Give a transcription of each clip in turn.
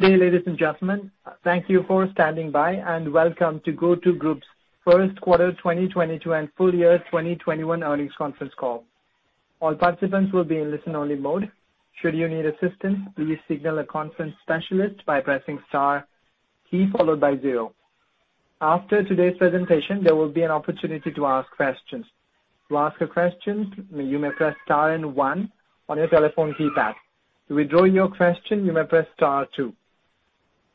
Good day, ladies and gentlemen. Thank you for standing by, and welcome to GoTo Group's first quarter 2022 and full year 2021 earnings conference call. All participants will be in listen only mode. Should you need assistance, please signal a conference specialist by pressing star key followed by zero. After today's presentation, there will be an opportunity to ask questions. To ask a question, you may press star and one on your telephone keypad. To withdraw your question, you may press star two.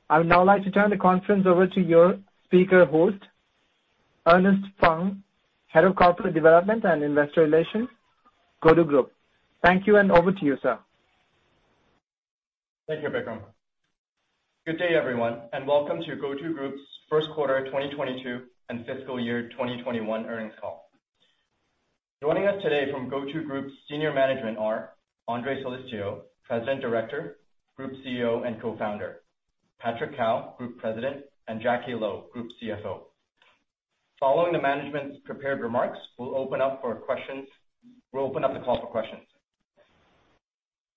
I would now like to turn the conference over to your speaker host, Ernest Fung, Head of Corporate Development and Investor Relations, GoTo Group. Thank you, and over to you, sir. Thank you, Bikram. Good day, everyone, and welcome to GoTo Group's first quarter 2022 and fiscal year 2021 earnings call. Joining us today from GoTo Group's senior management are Andre Soelistyo, President Director, Group CEO and Co-founder; Patrick Cao, Group President; and Jacky Lo, Group CFO. Following the management's prepared remarks, we'll open up the call for questions.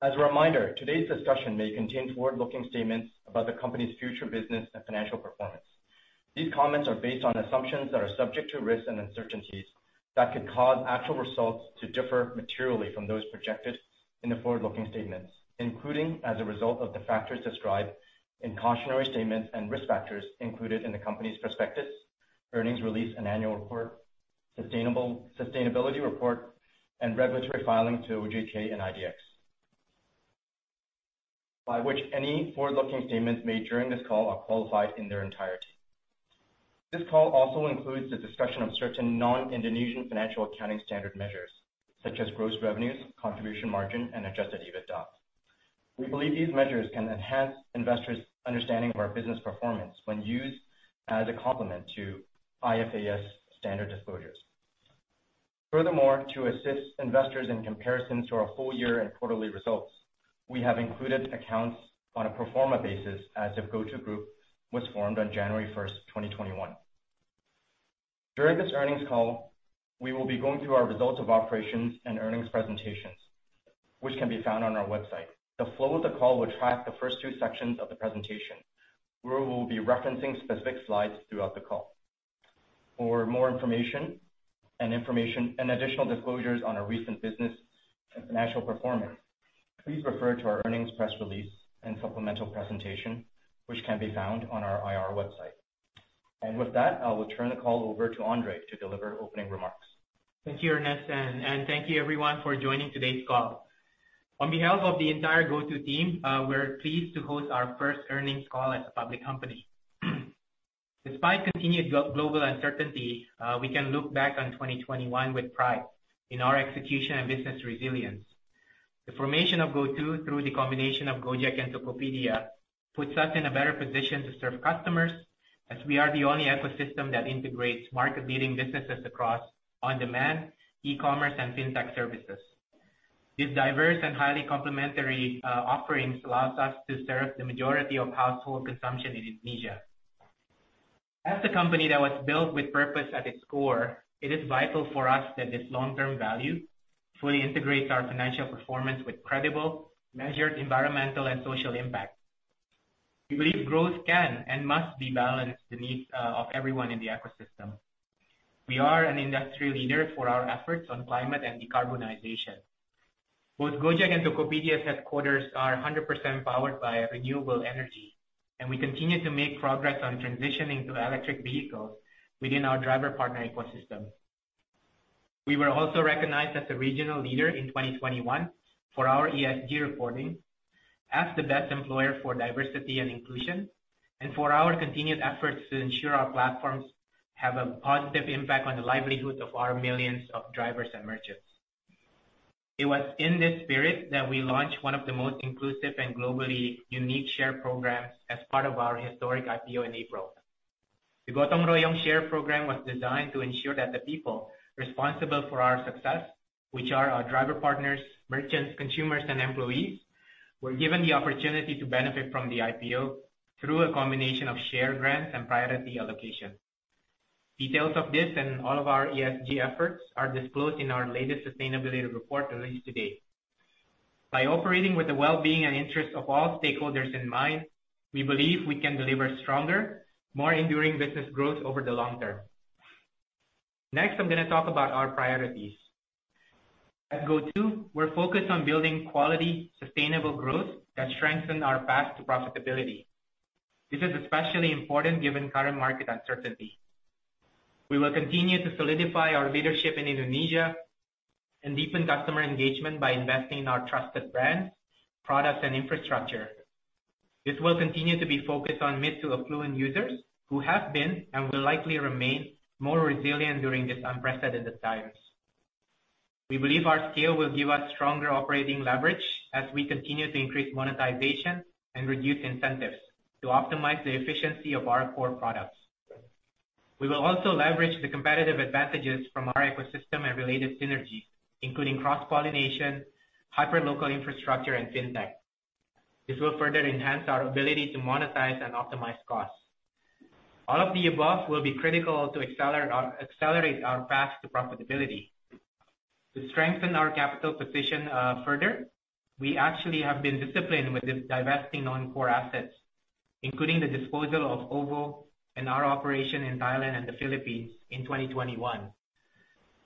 As a reminder, today's discussion may contain forward-looking statements about the company's future business and financial performance. These comments are based on assumptions that are subject to risks and uncertainties that could cause actual results to differ materially from those projected in the forward-looking statements, including as a result of the factors described in cautionary statements and risk factors included in the company's prospectus, earnings release, and annual report, sustainability report, and regulatory filings to OJK and IDX. By which any forward-looking statements made during this call are qualified in their entirety. This call also includes the discussion of certain non-IFRS financial measures, such as gross revenues, contribution margin, and adjusted EBITDA. We believe these measures can enhance investors' understanding of our business performance when used as a complement to IFRS standard disclosures. Furthermore, to assist investors in comparison to our full year and quarterly results, we have included accounts on a pro forma basis as if GoTo Group was formed on January 1, 2021. During this earnings call, we will be going through our results of operations and earnings presentations, which can be found on our website. The flow of the call will track the first two sections of the presentation, where we'll be referencing specific slides throughout the call. For more information and additional disclosures on our recent business and financial performance, please refer to our earnings press release and supplemental presentation, which can be found on our IR website. With that, I will turn the call over to Andre to deliver opening remarks. Thank you, Ernest, and thank you everyone for joining today's call. On behalf of the entire GoTo team, we're pleased to host our first earnings call as a public company. Despite continued global uncertainty, we can look back on 2021 with pride in our execution and business resilience. The formation of GoTo through the combination of Gojek and Tokopedia puts us in a better position to serve customers, as we are the only ecosystem that integrates market-leading businesses across on-demand, e-commerce, and fintech services. These diverse and highly complementary offerings allows us to serve the majority of household consumption in Indonesia. As a company that was built with purpose at its core, it is vital for us that this long-term value fully integrates our financial performance with credible, measured environmental and social impact. We believe growth can and must be balanced the needs of everyone in the ecosystem. We are an industry leader for our efforts on climate and decarbonization. Both Gojek and Tokopedia's headquarters are 100% powered by renewable energy, and we continue to make progress on transitioning to electric vehicles within our driver partner ecosystem. We were also recognized as the regional leader in 2021 for our ESG reporting, as the best employer for diversity and inclusion, and for our continued efforts to ensure our platforms have a positive impact on the livelihoods of our millions of drivers and merchants. It was in this spirit that we launched one of the most inclusive and globally unique share programs as part of our historic IPO in April. The Gotong Royong Share Program was designed to ensure that the people responsible for our success, which are our driver partners, merchants, consumers, and employees, were given the opportunity to benefit from the IPO through a combination of share grants and priority allocation. Details of this and all of our ESG efforts are disclosed in our latest sustainability report released today. By operating with the well-being and interest of all stakeholders in mind, we believe we can deliver stronger, more enduring business growth over the long term. Next, I'm gonna talk about our priorities. At GoTo, we're focused on building quality, sustainable growth that strengthen our path to profitability. This is especially important given current market uncertainty. We will continue to solidify our leadership in Indonesia and deepen customer engagement by investing in our trusted brands, products, and infrastructure. This will continue to be focused on mid to affluent users who have been and will likely remain more resilient during these unprecedented times. We believe our scale will give us stronger operating leverage as we continue to increase monetization and reduce incentives to optimize the efficiency of our core products. We will also leverage the competitive advantages from our ecosystem and related synergies, including cross-pollination, hyperlocal infrastructure, and fintech. This will further enhance our ability to monetize and optimize costs. All of the above will be critical to accelerate our path to profitability. To strengthen our capital position, further, we actually have been disciplined with this divesting non-core assets, including the disposal of OVO and our operation in Thailand and the Philippines in 2021.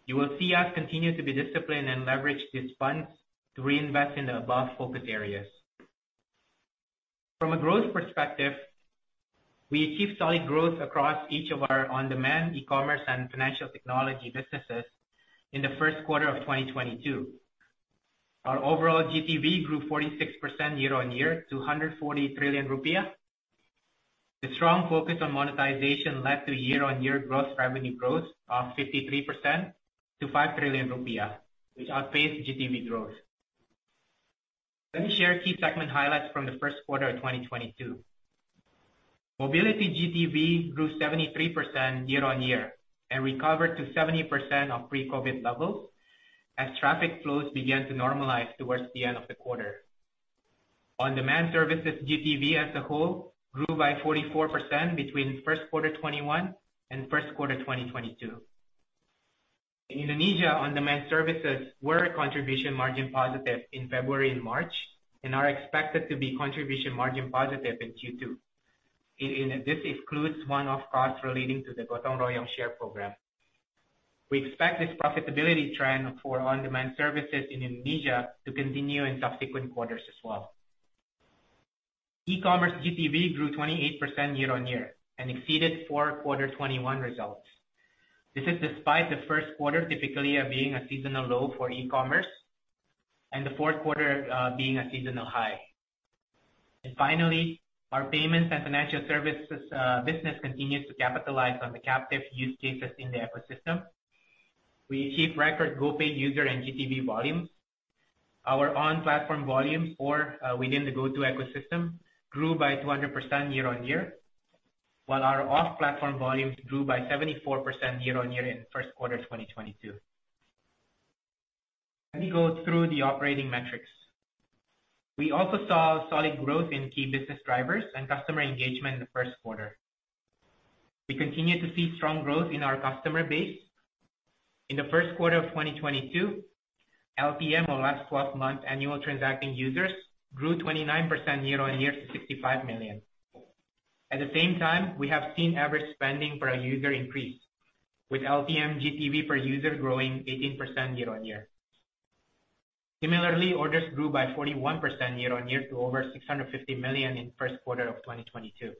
You will see us continue to be disciplined and leverage these funds to reinvest in the above focus areas. From a growth perspective, we achieved solid growth across each of our on-demand e-commerce and financial technology businesses in the first quarter of 2022. Our overall GTV grew 46% year-on-year to 140 trillion rupiah. The strong focus on monetization led to year-on-year growth, revenue growth of 53% to 5 trillion rupiah, which outpaced GTV growth. Let me share key segment highlights from the first quarter of 2022. Mobility GTV grew 73% year-on-year and recovered to 70% of pre-COVID levels as traffic flows began to normalize towards the end of the quarter. On-demand services GTV as a whole grew by 44% between first quarter 2021 and first quarter 2022. Indonesia on-demand services were contribution margin positive in February and March and are expected to be contribution margin positive in Q2. This excludes one-off costs relating to the Gotong Royong Share Program. We expect this profitability trend for on-demand services in Indonesia to continue in subsequent quarters as well. E-commerce GTV grew 28% year-over-year and exceeded fourth quarter 2021 results. This is despite the first quarter typically being a seasonal low for e-commerce and the fourth quarter being a seasonal high. Finally, our payments and financial services business continues to capitalize on the captive use cases in the ecosystem. We achieved record GoPay user and GTV volumes. Our on-platform volumes for within the GoTo ecosystem grew by 200% year-over-year, while our off-platform volumes grew by 74% year-over-year in first quarter 2022. Let me go through the operating metrics. We also saw solid growth in key business drivers and customer engagement in the first quarter. We continue to see strong growth in our customer base. In the first quarter of 2022, LTM or last twelve months annual transacting users grew 29% year-on-year to 65 million. At the same time, we have seen average spending per user increase, with LTM GTV per user growing 18% year-on-year. Similarly, orders grew by 41% year-on-year to over 650 million in first quarter of 2022.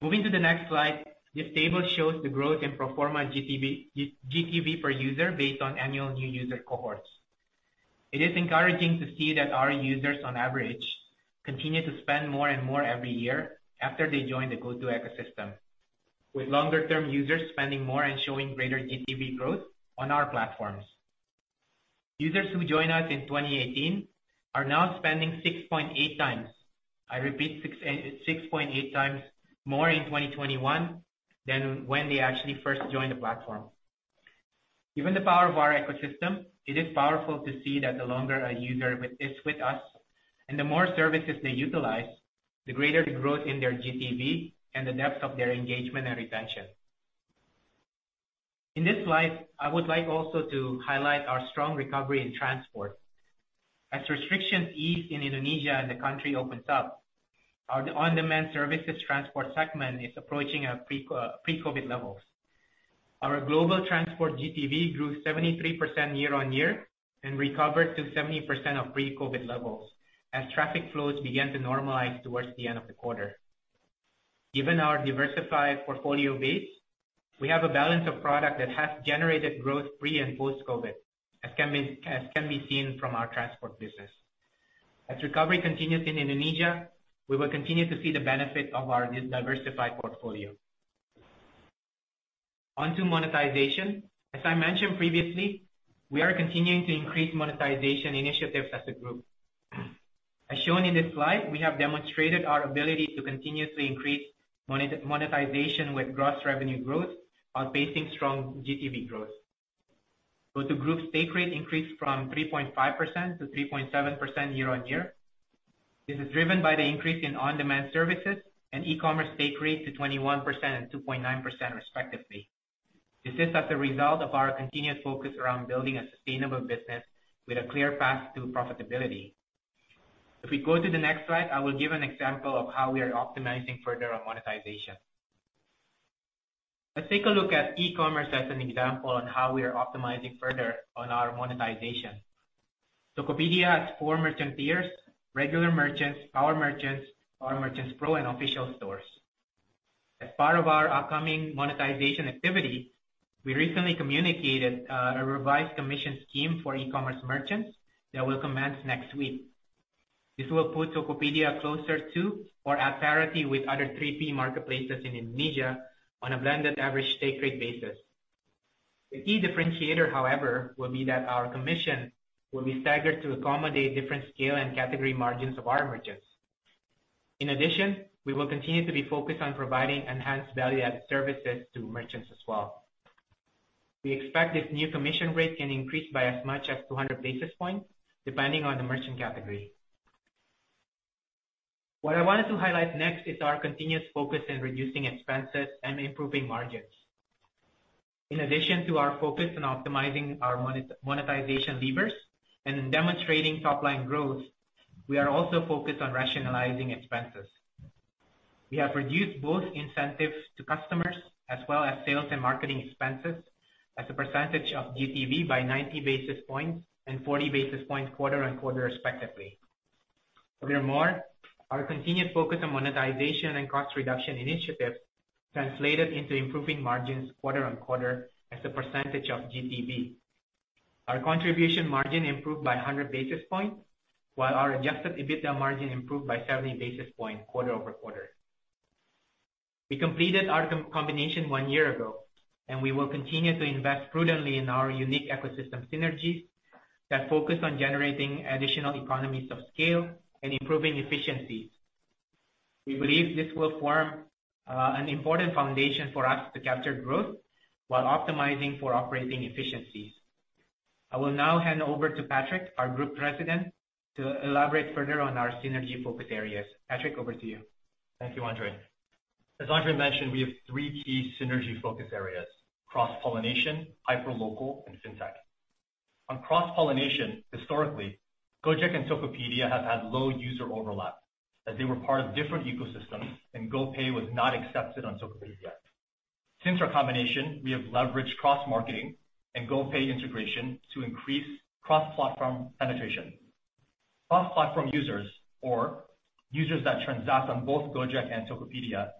Moving to the next slide, this table shows the growth in pro forma GTV, GoTo GTV per user based on annual new user cohorts. It is encouraging to see that our users on average continue to spend more and more every year after they join the GoTo ecosystem, with longer-term users spending more and showing greater GTV growth on our platforms. Users who joined us in 2018 are now spending 6.8 times, I repeat, 6.8 times more in 2021 than when they actually first joined the platform. Given the power of our ecosystem, it is powerful to see that the longer a user is with us and the more services they utilize, the greater the growth in their GTV and the depth of their engagement and retention. In this slide, I would like also to highlight our strong recovery in transport. As restrictions ease in Indonesia and the country opens up, our on-demand services transport segment is approaching pre-COVID levels. Our global transport GTV grew 73% year-on-year and recovered to 70% of pre-COVID levels as traffic flows began to normalize towards the end of the quarter. Given our diversified portfolio base, we have a balance of product that has generated growth pre and post-COVID, as can be seen from our transport business. As recovery continues in Indonesia, we will continue to see the benefit of our diversified portfolio. On to monetization. As I mentioned previously, we are continuing to increase monetization initiatives as a group. As shown in this slide, we have demonstrated our ability to continuously increase monetization with gross revenue growth, outpacing strong GTV growth. GoTo Group take rate increased from 3.5% to 3.7% year-on-year. This is driven by the increase in on-demand services and e-commerce take rate to 21% and 2.9% respectively. This is as a result of our continued focus around building a sustainable business with a clear path to profitability. If we go to the next slide, I will give an example of how we are optimizing further on monetization. Let's take a look at e-commerce as an example on how we are optimizing further on our monetization. Tokopedia has four merchant tiers, regular merchants, power merchants, power merchants pro, and official stores. As part of our upcoming monetization activity, we recently communicated a revised commission scheme for e-commerce merchants that will commence next week. This will put Tokopedia closer to or at parity with other 3P marketplaces in Indonesia on a blended average take rate basis. The key differentiator, however, will be that our commission will be staggered to accommodate different scale and category margins of our merchants. In addition, we will continue to be focused on providing enhanced value-added services to merchants as well. We expect this new commission rate can increase by as much as 200 basis points depending on the merchant category. What I wanted to highlight next is our continuous focus in reducing expenses and improving margins. In addition to our focus on optimizing our monetization levers and demonstrating top-line growth, we are also focused on rationalizing expenses. We have reduced both incentives to customers as well as sales and marketing expenses as a percentage of GTV by 90 basis points and 40 basis points quarter-over-quarter, respectively. Furthermore, our continued focus on monetization and cost reduction initiatives translated into improving margins quarter-over-quarter as a percentage of GTV. Our contribution margin improved by 100 basis points, while our adjusted EBITDA margin improved by 70 basis points quarter-over-quarter. We completed our combination one year ago, and we will continue to invest prudently in our unique ecosystem synergies that focus on generating additional economies of scale and improving efficiencies. We believe this will form an important foundation for us to capture growth while optimizing for operating efficiencies. I will now hand over to Patrick, our Group President, to elaborate further on our synergy focus areas. Patrick, over to you. Thank you, Andre. As Andre mentioned, we have three key synergy focus areas, cross-pollination, hyperlocal, and fintech. On cross-pollination, historically, Gojek and Tokopedia have had low user overlap, as they were part of different ecosystems and GoPay was not accepted on Tokopedia. Since our combination, we have leveraged cross-marketing and GoPay integration to increase cross-platform penetration. Cross-platform users or users that transact on both Gojek and Tokopedia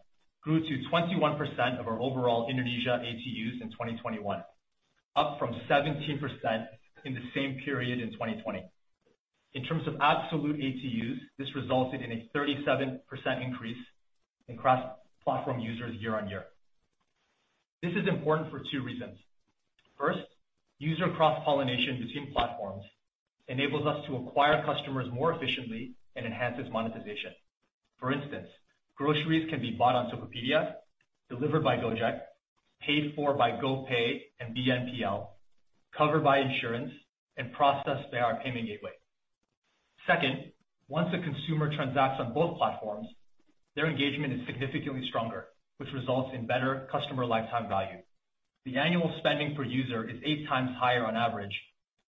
grew to 21% of our overall Indonesia ATUs in 2021, up from 17% in the same period in 2020. In terms of absolute ATUs, this resulted in a 37% increase in cross-platform users year-on-year. This is important for two reasons. First, user cross-pollination between platforms enables us to acquire customers more efficiently and enhances monetization. For instance, groceries can be bought on Tokopedia, delivered by Gojek, paid for by GoPay and BNPL, covered by insurance, and processed via our payment gateway. Second, once a consumer transacts on both platforms, their engagement is significantly stronger, which results in better customer lifetime value. The annual spending per user is 8 times higher on average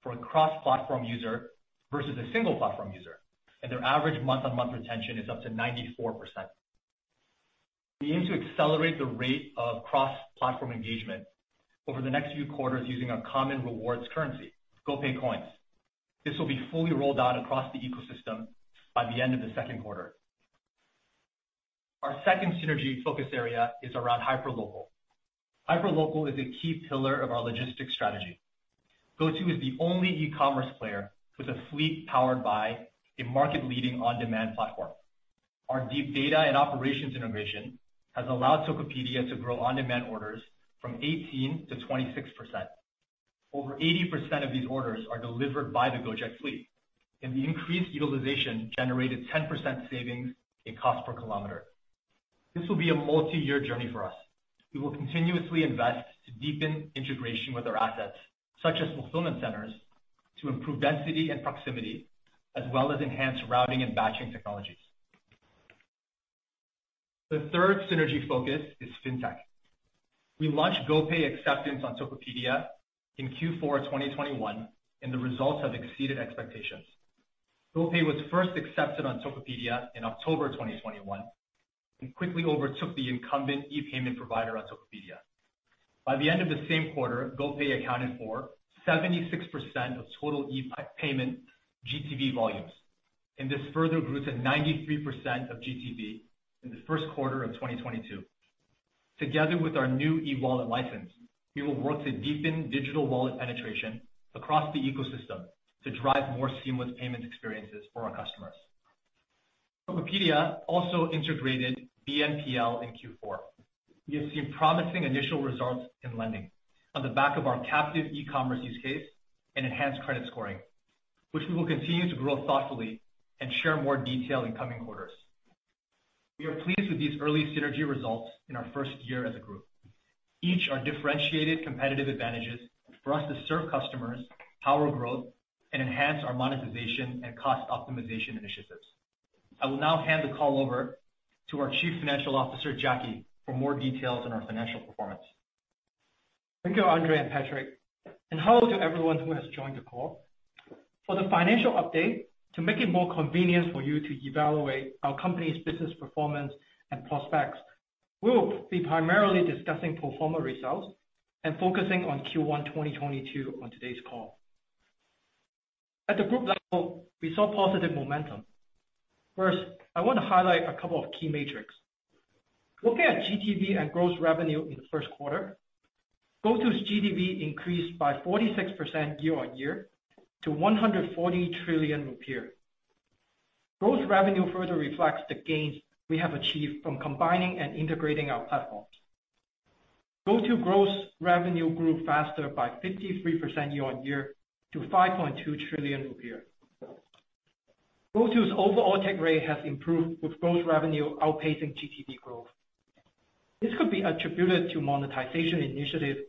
for a cross-platform user versus a single-platform user, and their average month-on-month retention is up to 94%. We aim to accelerate the rate of cross-platform engagement over the next few quarters using our common rewards currency, GoPay Coins. This will be fully rolled out across the ecosystem by the end of the second quarter. Our second synergy focus area is around hyperlocal. Hyperlocal is a key pillar of our logistics strategy. GoTo is the only e-commerce player with a fleet powered by a market-leading on-demand platform. Our deep data and operations integration has allowed Tokopedia to grow on-demand orders from 18%-26%. Over 80% of these orders are delivered by the Gojek fleet, and the increased utilization generated 10% savings in cost per kilometer. This will be a multi-year journey for us. We will continuously invest to deepen integration with our assets, such as fulfillment centers, to improve density and proximity, as well as enhance routing and batching technologies. The third synergy focus is fintech. We launched GoPay acceptance on Tokopedia in Q4 2021, and the results have exceeded expectations. GoPay was first accepted on Tokopedia in October 2021 and quickly overtook the incumbent e-payment provider on Tokopedia. By the end of the same quarter, GoPay accounted for 76% of total e-payment GTV volumes, and this further grew to 93% of GTV in the first quarter of 2022. Together with our new e-wallet license, we will work to deepen digital wallet penetration across the ecosystem to drive more seamless payment experiences for our customers. Tokopedia also integrated BNPL in Q4. We have seen promising initial results in lending on the back of our captive e-commerce use case and enhanced credit scoring, which we will continue to grow thoughtfully and share more detail in coming quarters. We are pleased with these early synergy results in our first year as a group. Each are differentiated competitive advantages for us to serve customers, power growth, and enhance our monetization and cost optimization initiatives. I will now hand the call over to our Chief Financial Officer, Jacky, for more details on our financial performance. Thank you, Andre and Patrick, and hello to everyone who has joined the call. For the financial update, to make it more convenient for you to evaluate our company's business performance and prospects, we will be primarily discussing pro forma results and focusing on Q1 2022 on today's call. At the group level, we saw positive momentum. First, I want to highlight a couple of key metrics. Looking at GTV and gross revenue in the first quarter, GoTo's GTV increased by 46% year-on-year to 140 trillion rupiah. Gross revenue further reflects the gains we have achieved from combining and integrating our platforms. GoTo gross revenue grew faster by 53% year-on-year to 5.2 trillion. GoTo's overall take rate has improved with gross revenue outpacing GTV growth. This could be attributed to monetization initiatives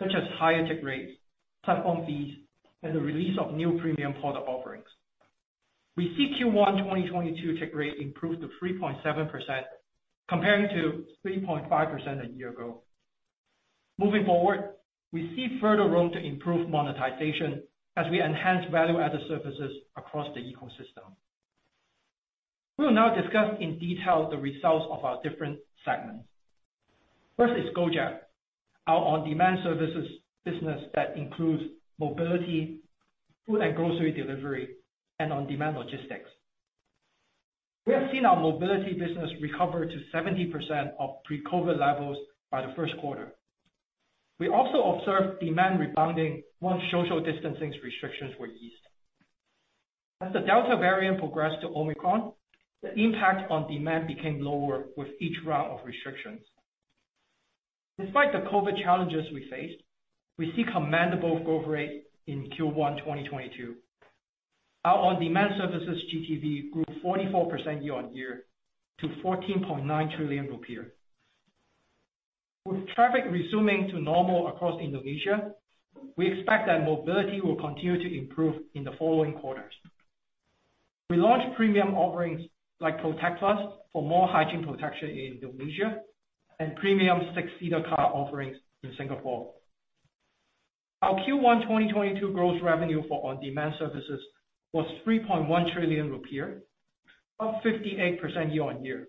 such as higher take rates, platform fees, and the release of new premium product offerings. We see Q1 2022 take rate improve to 3.7% compared to 3.5% a year ago. Moving forward, we see further room to improve monetization as we enhance value-added services across the ecosystem. We will now discuss in detail the results of our different segments. First is Gojek, our on-demand services business that includes mobility, food and grocery delivery, and on-demand logistics. We have seen our mobility business recover to 70% of pre-COVID levels by the first quarter. We also observed demand rebounding once social distancing restrictions were eased. As the Delta variant progressed to Omicron, the impact on demand became lower with each round of restrictions. Despite the COVID challenges we faced, we see commendable growth rate in Q1 2022. Our on-demand services GTV grew 44% year-on-year to 14.9 trillion rupiah. With traffic resuming to normal across Indonesia, we expect that mobility will continue to improve in the following quarters. We launched premium offerings like Protect+ for more hygiene protection in Indonesia and premium six-seater car offerings in Singapore. Our Q1 2022 gross revenue for on-demand services was 3.1 trillion rupiah, up 58% year-on-year.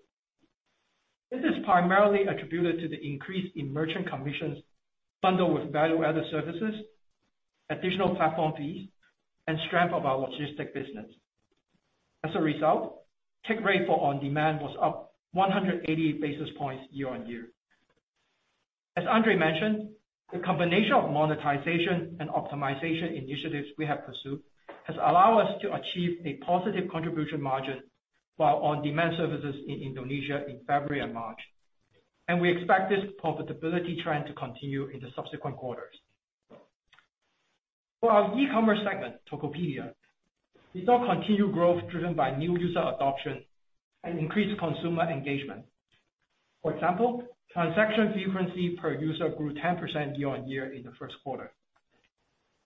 This is primarily attributed to the increase in merchant commissions bundled with value-added services, additional platform fees, and strength of our logistics business. As a result, take rate for on-demand was up 180 basis points year-on-year. As Andre mentioned, the combination of monetization and optimization initiatives we have pursued has allowed us to achieve a positive contribution margin for our on-demand services in Indonesia in February and March. We expect this profitability trend to continue into subsequent quarters. For our e-commerce segment, Tokopedia, we saw continued growth driven by new user adoption and increased consumer engagement. For example, transaction frequency per user grew 10% year-on-year in the first quarter.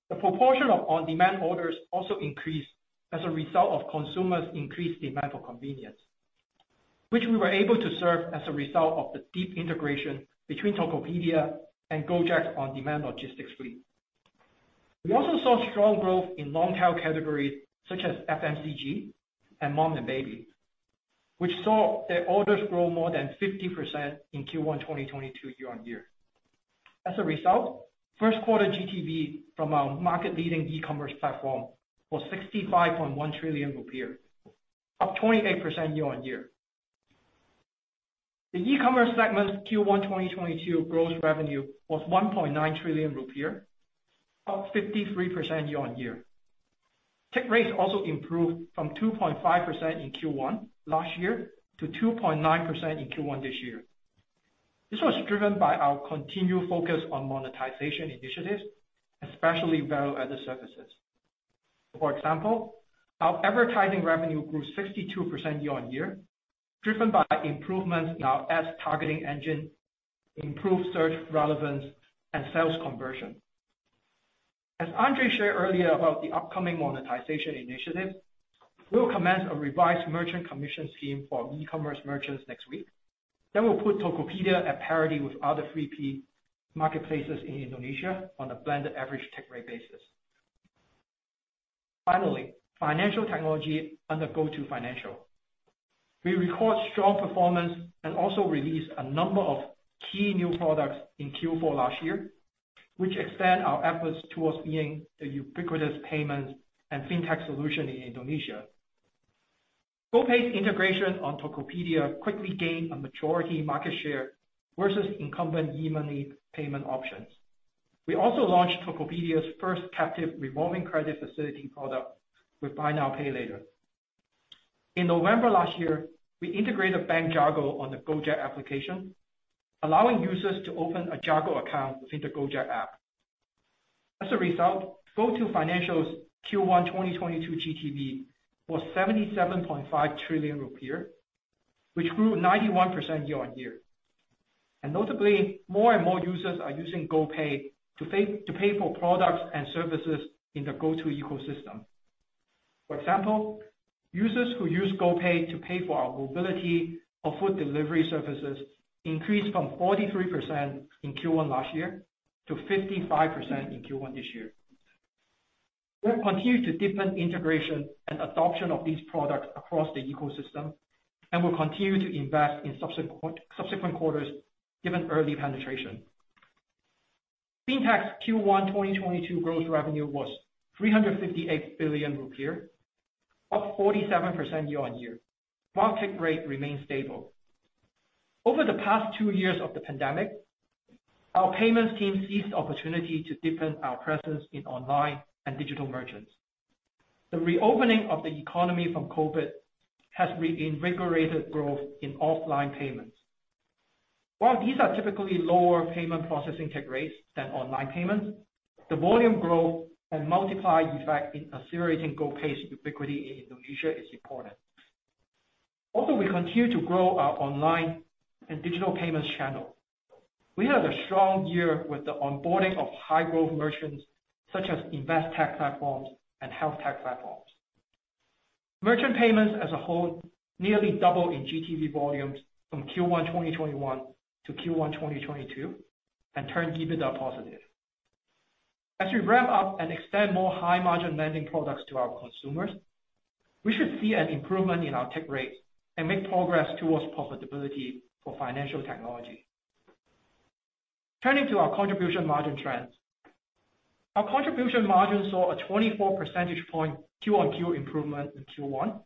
The proportion of on-demand orders also increased as a result of consumers' increased demand for convenience, which we were able to serve as a result of the deep integration between Tokopedia and Gojek's on-demand logistics fleet. We also saw strong growth in long-tail categories such as FMCG and mom and baby, which saw their orders grow more than 50% in Q1 2022 year-on-year. As a result, first quarter GTV from our market-leading e-commerce platform was IDR 65.1 trillion, up 28% year-on-year. The e-commerce segment's Q1 2022 gross revenue was 1.9 trillion rupiah, up 53% year-on-year. Take rates also improved from 2.5% in Q1 last year to 2.9% in Q1 this year. This was driven by our continued focus on monetization initiatives, especially value-added services. For example, our advertising revenue grew 62% year-on-year, driven by improvements in our ads targeting engine, improved search relevance, and sales conversion. As Andre shared earlier about the upcoming monetization initiative, we'll commence a revised merchant commission scheme for our e-commerce merchants next week that will put Tokopedia at parity with other 3P marketplaces in Indonesia on a blended average take rate basis. Finally, financial technology under GoTo Financial. We record strong performance and also released a number of key new products in Q4 last year, which expand our efforts towards being the ubiquitous payments and fintech solution in Indonesia. GoPay's integration on Tokopedia quickly gained a majority market share versus incumbent e-money payment options. We also launched Tokopedia's first captive revolving credit facility product with buy now, pay later. In November last year, we integrated Bank Jago on the Gojek application, allowing users to open a Jago account within the Gojek app. As a result, GoTo Financial's Q1 2022 GTV was 77.5 trillion rupiah, which grew 91% year-on-year. Notably, more and more users are using GoPay to pay for products and services in the GoTo ecosystem. For example, users who use GoPay to pay for our mobility or food delivery services increased from 43% in Q1 last year to 55% in Q1 this year. We'll continue to deepen integration and adoption of these products across the ecosystem and will continue to invest in subsequent quarters, given early penetration. Fintech's Q1 2022 growth revenue was 358 billion rupiah, up 47% year-on-year. While take rate remains stable. Over the past two years of the pandemic, our payments team seized the opportunity to deepen our presence in online and digital merchants. The reopening of the economy from COVID has reinvigorated growth in offline payments. While these are typically lower payment processing tech rates than online payments, the volume growth and multiplier effect in accelerating GoPay's ubiquity in Indonesia is important. Also, we continue to grow our online and digital payments channel. We had a strong year with the onboarding of high-growth merchants such as invest tech platforms and health tech platforms. Merchant payments as a whole nearly double in GTV volumes from Q1 2021 to Q1 2022, and turn EBITDA positive. As we ramp up and extend more high margin lending products to our consumers, we should see an improvement in our take rates and make progress towards profitability for financial technology. Turning to our contribution margin trends. Our contribution margin saw a 24 percentage point QOQ improvement in Q1,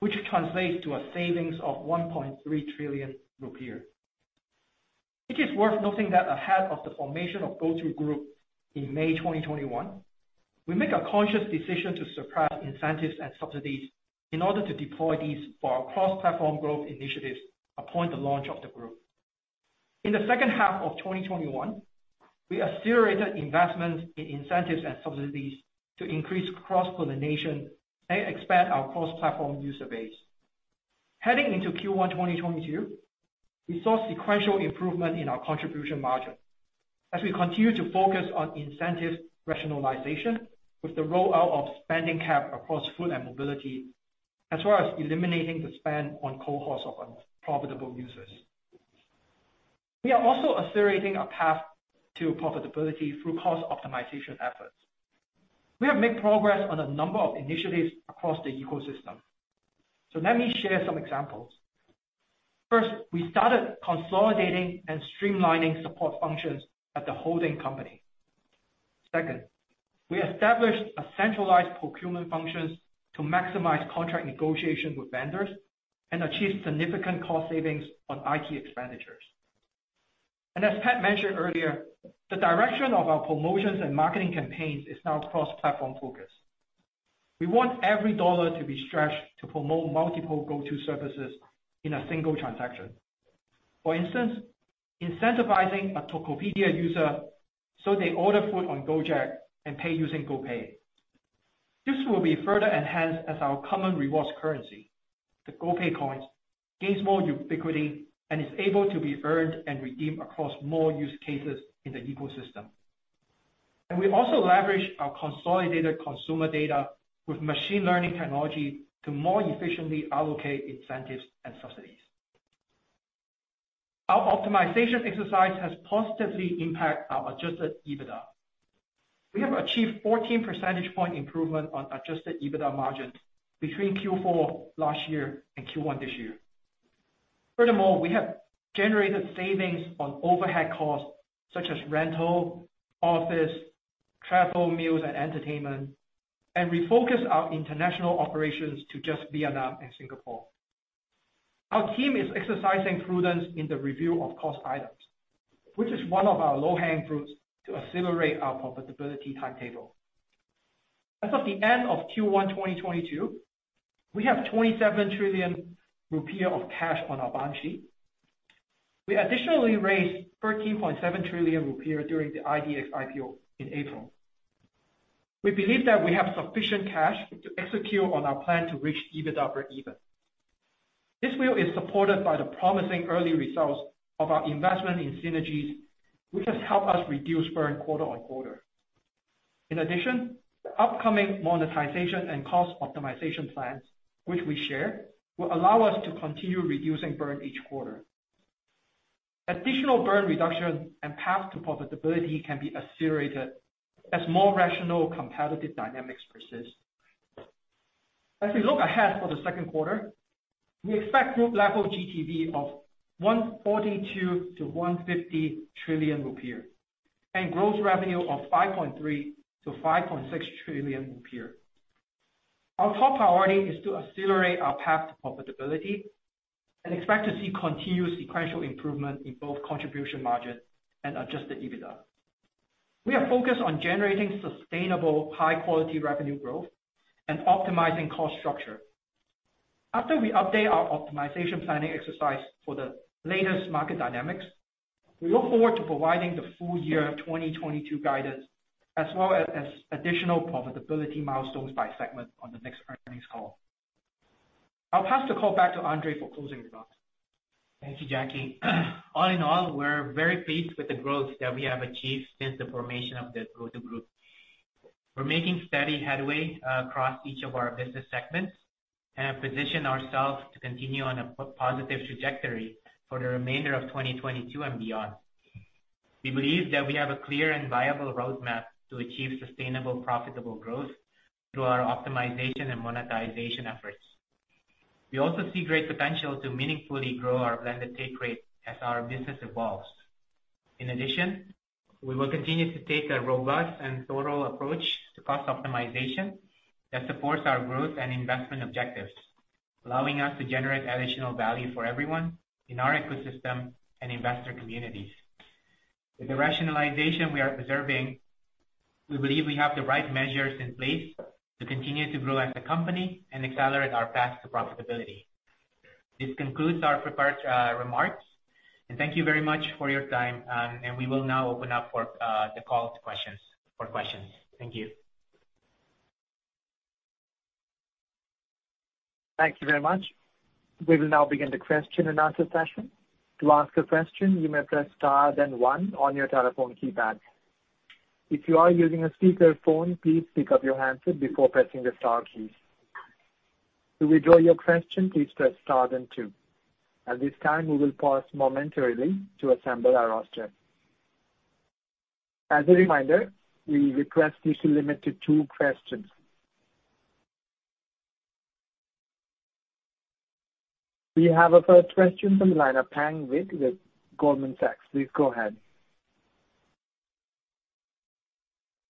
which translates to a savings of IDR 1.3 trillion. It is worth noting that ahead of the formation of GoTo Group in May 2021, we make a conscious decision to suppress incentives and subsidies in order to deploy these for our cross-platform growth initiatives upon the launch of the group. In the second half of 2021, we accelerated investments in incentives and subsidies to increase cross-pollination and expand our cross-platform user base. Heading into Q1 2022, we saw sequential improvement in our contribution margin as we continue to focus on incentive rationalization with the rollout of spending cap across food and mobility, as well as eliminating the spend on cohorts of unprofitable users. We are also accelerating our path to profitability through cost optimization efforts. We have made progress on a number of initiatives across the ecosystem. Let me share some examples. First, we started consolidating and streamlining support functions at the holding company. Second, we established a centralized procurement functions to maximize contract negotiation with vendors and achieve significant cost savings on IT expenditures. As Pat mentioned earlier, the direction of our promotions and marketing campaigns is now cross-platform focused. We want every dollar to be stretched to promote multiple GoTo services in a single transaction. For instance, incentivizing a Tokopedia user, so they order food on Gojek and pay using GoPay. This will be further enhanced as our common rewards currency. The GoPay Coins gains more ubiquity and is able to be earned and redeemed across more use cases in the ecosystem. We also leverage our consolidated consumer data with machine learning technology to more efficiently allocate incentives and subsidies. Our optimization exercise has positively impact our adjusted EBITDA. We have achieved 14 percentage point improvement on adjusted EBITDA margins between Q4 last year and Q1 this year. Furthermore, we have generated savings on overhead costs such as rental, office, travel, meals and entertainment, and refocus our international operations to just Vietnam and Singapore. Our team is exercising prudence in the review of cost items, which is one of our low-hanging fruits to accelerate our profitability timetable. As of the end of Q1 2022, we have 27 trillion rupiah of cash on our balance sheet. We additionally raised 13.7 trillion rupiah during the IDX IPO in April. We believe that we have sufficient cash to execute on our plan to reach EBITDA or even. This view is supported by the promising early results of our investment in synergies, which has helped us reduce burn quarter-over-quarter. In addition, the upcoming monetization and cost optimization plans which we share, will allow us to continue reducing burn each quarter. Additional burn reduction and path to profitability can be accelerated as more rational competitive dynamics persist. As we look ahead for the second quarter, we expect group level GTV of IDR 142 trillion-IDR 150 trillion, and gross revenue of IDR 5.3 trillion-IDR 5.6 trillion. Our top priority is to accelerate our path to profitability and expect to see continuous sequential improvement in both contribution margin and adjusted EBITDA. We are focused on generating sustainable, high-quality revenue growth and optimizing cost structure. After we update our optimization planning exercise for the latest market dynamics, we look forward to providing the full year 2022 guidance as well as additional profitability milestones by segment on the next earnings call. I'll pass the call back to Andre for closing remarks. Thank you, Jacky. All in all, we're very pleased with the growth that we have achieved since the formation of the GoTo Group. We're making steady headway across each of our business segments and have positioned ourselves to continue on a positive trajectory for the remainder of 2022 and beyond. We believe that we have a clear and viable roadmap to achieve sustainable, profitable growth through our optimization and monetization efforts. We also see great potential to meaningfully grow our blended take rate as our business evolves. In addition, we will continue to take a robust and thorough approach to cost optimization that supports our growth and investment objectives, allowing us to generate additional value for everyone in our ecosystem and investor communities. With the rationalization we are observing, we believe we have the right measures in place to continue to grow as a company and accelerate our path to profitability. This concludes our prepared remarks, and thank you very much for your time. We will now open up for the call to questions, for questions. Thank you. Thank you very much. We will now begin the question and answer session. To ask a question, you may press star then one on your telephone keypad. If you are using a speakerphone, please pick up your handset before pressing the star key. To withdraw your question, please press star then two. At this time, we will pause momentarily to assemble our roster. As a reminder, we request you to limit to two questions. We have our first question from the line of Pang Vittayaamnuaykoon with Goldman Sachs. Please go ahead.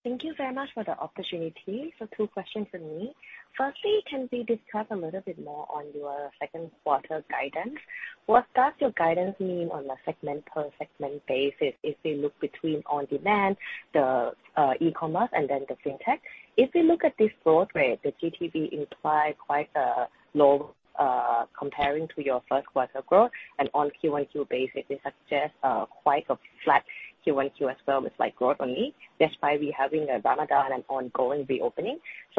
Thank you very much for the opportunity. Two questions from me. Firstly, can we discuss a little bit more on your second quarter guidance? What does your guidance mean on a segment per segment basis if we look between on-demand, e-commerce and then the FinTech? If we look at this growth rate, the GTV imply quite low comparing to your first quarter growth and on Q and Q basically suggest quite a flat Q and Q as well with like growth only, despite we having a Ramadan and ongoing reopening.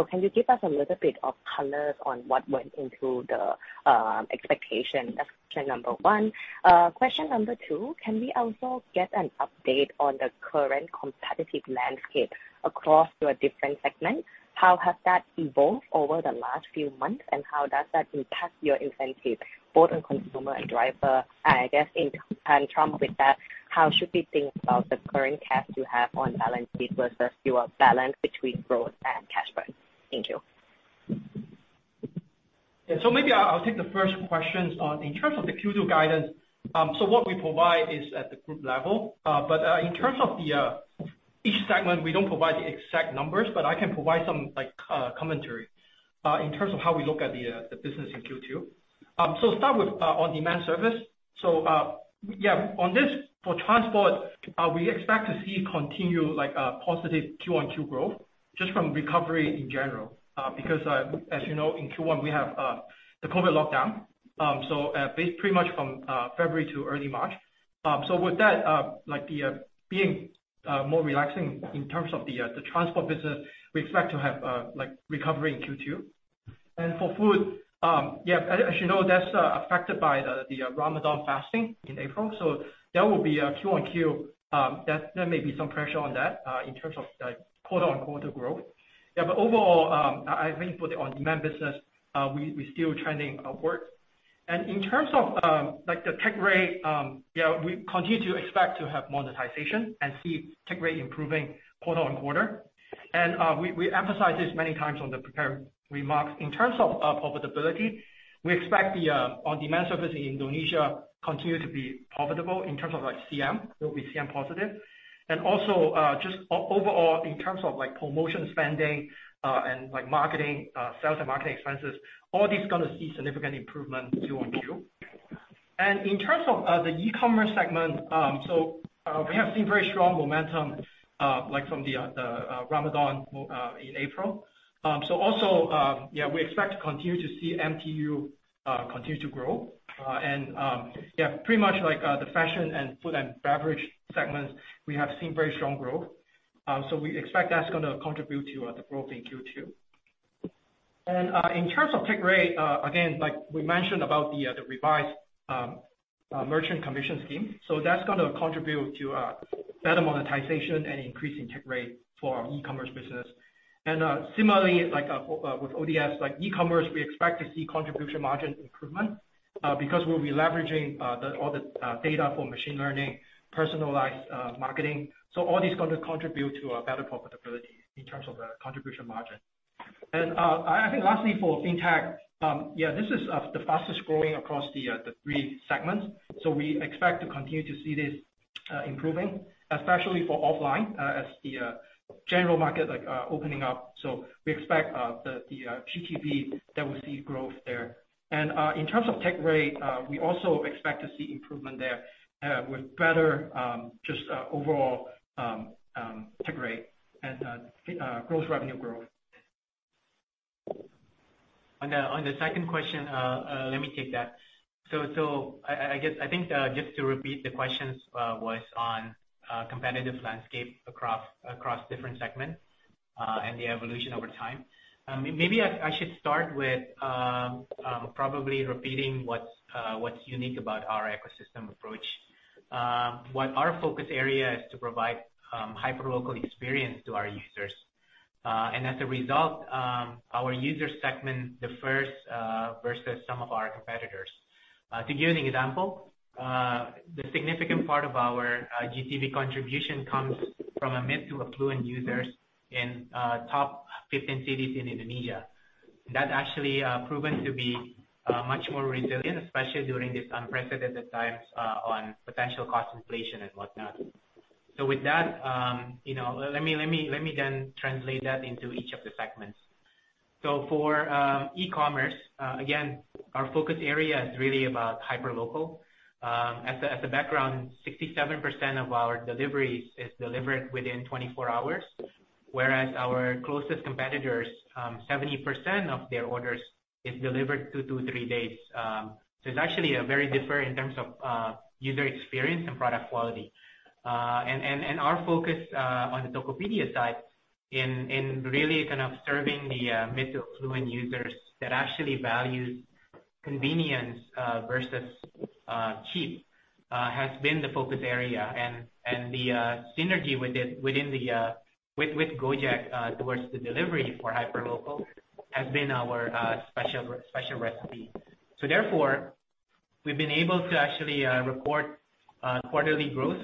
Can you give us a little bit of colors on what went into the expectation? That's question number one. Question number two, can we also get an update on the current competitive landscape across your different segments? How has that evolved over the last few months, and how does that impact your incentive both on consumer and driver? I guess in tandem with that, how should we think about the current cash you have on balance sheet versus your balance between growth and cash burn? Thank you. Yeah. Maybe I'll take the first questions on the Q2 guidance. What we provide is at the group level. In terms of each segment, we don't provide the exact numbers, but I can provide some like commentary in terms of how we look at the business in Q2. Start with on-demand service. Yeah, on the transport, we expect to see continued like positive Q-on-Q growth just from recovery in general. Because as you know, in Q1 we have the COVID lockdown. Pretty much from February to early March. With that, like the restrictions being more relaxing in terms of the transport business, we expect to have like recovery in Q2. For food, as you know, that's affected by the Ramadan fasting in April. There will be a Q-on-Q that there may be some pressure on that in terms of like quarter-on-quarter growth. Overall, I think for the on-demand business, we still trending upwards. In terms of like the take rate, we continue to expect to have monetization and see take rate improving quarter-on-quarter. We emphasize this many times on the prepared remarks. In terms of profitability, we expect the on-demand service in Indonesia continue to be profitable in terms of like CM, will be CM positive. Also, just overall in terms of like promotion spending, and like marketing, sales and marketing expenses, all these gonna see significant improvement Q-on-Q. In terms of the e-commerce segment, we have seen very strong momentum like from the Ramadan in April. We expect to continue to see MTU continue to grow. Yeah, pretty much like the fashion and food and beverage segments, we have seen very strong growth. We expect that's gonna contribute to the growth in Q2. In terms of take rate, again, like we mentioned about the revised merchant commission scheme. That's gonna contribute to better monetization and increasing take rate for our e-commerce business. Similarly like with ODS, like e-commerce, we expect to see contribution margin improvement because we'll be leveraging all the data for machine learning, personalized marketing. All these gonna contribute to a better profitability in terms of the contribution margin. I think lastly for fintech, this is the fastest growing across the three segments. We expect to continue to see this improving, especially for offline, as the general market like opening up. We expect the GTV that we'll see growth there. In terms of take rate, we also expect to see improvement there with better just overall take rate and gross revenue growth. On the second question, let me take that. I guess, I think, just to repeat the questions, was on competitive landscape across different segments and the evolution over time. Maybe I should start with probably repeating what's unique about our ecosystem approach. What our focus area is to provide hyperlocal experience to our users. As a result, our user segment differs versus some of our competitors. To give you an example, the significant part of our GTV contribution comes from mid to affluent users in top 15 cities in Indonesia. That actually proven to be much more resilient, especially during these unprecedented times on potential cost inflation and whatnot. With that, you know, let me then translate that into each of the segments. For e-commerce, again, our focus area is really about hyperlocal. As a background, 67% of our deliveries is delivered within 24 hours, whereas our closest competitors, 70% of their orders is delivered 2-3 days. It's actually a very different in terms of user experience and product quality. And our focus on the Tokopedia side in really kind of serving the mid to affluent users that actually values convenience versus cheap has been the focus area. The synergy within the with Gojek towards the delivery for hyperlocal has been our special recipe. Therefore, we've been able to actually report quarterly growth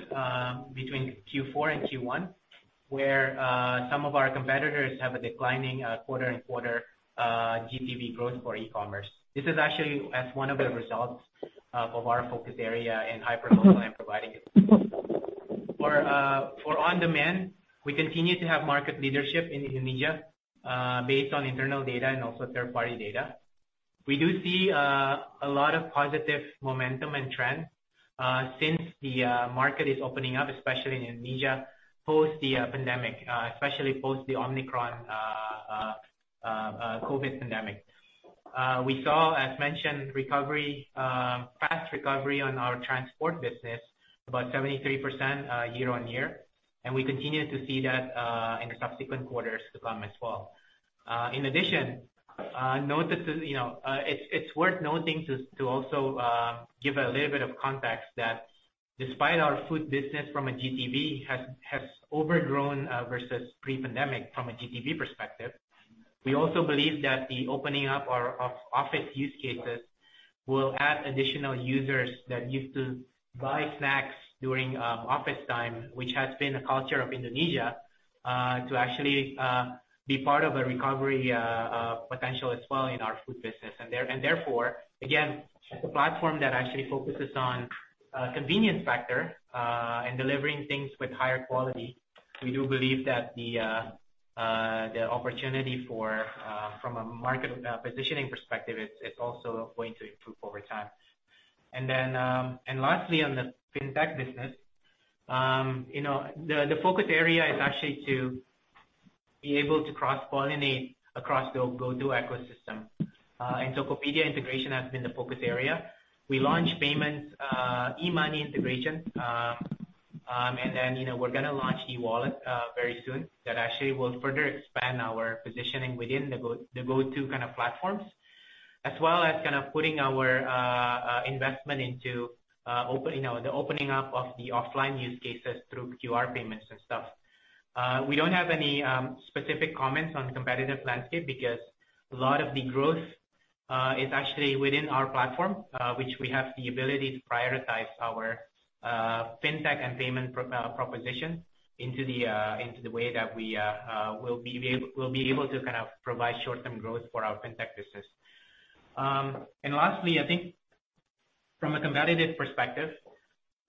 between Q4 and Q1. Where some of our competitors have a declining quarter-on-quarter GTV growth for e-commerce. This is actually one of the results of our focus area in hyperlocal and providing it. For on-demand, we continue to have market leadership in Indonesia based on internal data and also third-party data. We do see a lot of positive momentum and trends since the market is opening up, especially in Indonesia, post the pandemic, especially post the Omicron COVID pandemic. We saw, as mentioned, recovery, fast recovery on our transport business, about 73% year-on-year. We continue to see that in the subsequent quarters to come as well. In addition, note that it's worth noting to also give a little bit of context that despite our food business from a GTV has overgrown versus pre-pandemic from a GTV perspective. We also believe that the opening up of office use cases will add additional users that used to buy snacks during office time, which has been a culture of Indonesia to actually be part of a recovery potential as well in our food business. Therefore, again, the platform that actually focuses on convenience factor and delivering things with higher quality. We do believe that the opportunity from a market positioning perspective, it's also going to improve over time. lastly, on the fintech business, you know, the focus area is actually to be able to cross-pollinate across the GoTo ecosystem. Tokopedia integration has been the focus area. We launched payments, e-money integration. You know, we're gonna launch e-wallet very soon that actually will further expand our positioning within the GoTo kind of platforms. As well as kind of putting our investment into, you know, the opening up of the offline use cases through QR payments and stuff. We don't have any specific comments on competitive landscape because a lot of the growth is actually within our platform, which we have the ability to prioritize our fintech and payment proposition into the way that we'll be able to kind of provide short-term growth for our fintech business. Lastly, I think from a competitive perspective,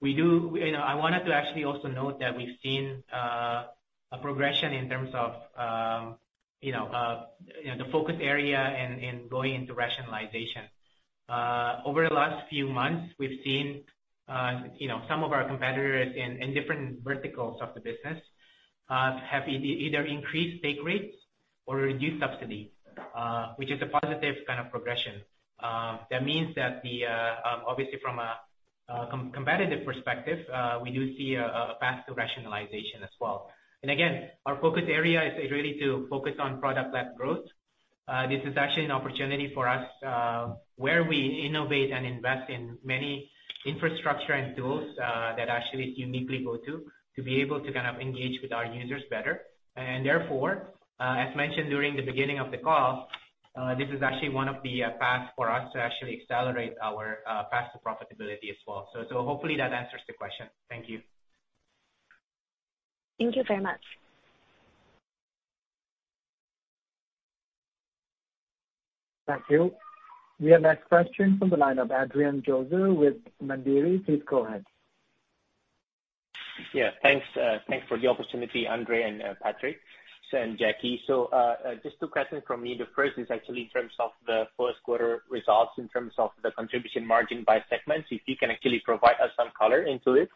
we do, you know, I wanted to actually also note that we've seen a progression in terms of the focus area in going into rationalization. Over the last few months, we've seen some of our competitors in different verticals of the business have either increased take rates or reduced subsidy, which is a positive kind of progression. That means that obviously from a competitive perspective, we do see a path to rationalization as well. Again, our focus area is really to focus on product-led growth. This is actually an opportunity for us, where we innovate and invest in many infrastructure and tools that actually uniquely GoTo, to be able to kind of engage with our users better. Therefore, as mentioned during the beginning of the call, this is actually one of the paths for us to actually accelerate our path to profitability as well. Hopefully that answers the question. Thank you. Thank you very much. Thank you. We have next question from the line of Adrian Joseph with Mandiri. Please go ahead. Yeah, thanks. Thanks for the opportunity, Andre and Patrick, and Jacky. Just two questions from me. The first is actually in terms of the first quarter results, in terms of the contribution margin by segments, if you can actually provide us some color into it.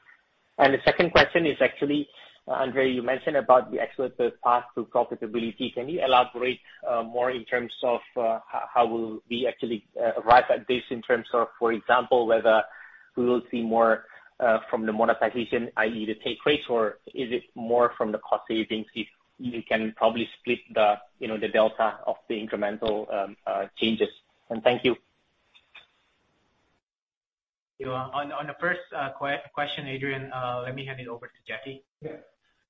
The second question is actually, Andre, you mentioned about the actual path to profitability. Can you elaborate more in terms of how will we actually arrive at this in terms of, for example, whether we will see more from the monetization, i.e., the take rates, or is it more from the cost savings? If you can probably split the, you know, the delta of the incremental changes. Thank you. On the first question, Adrian, let me hand it over to Jacky. Yeah.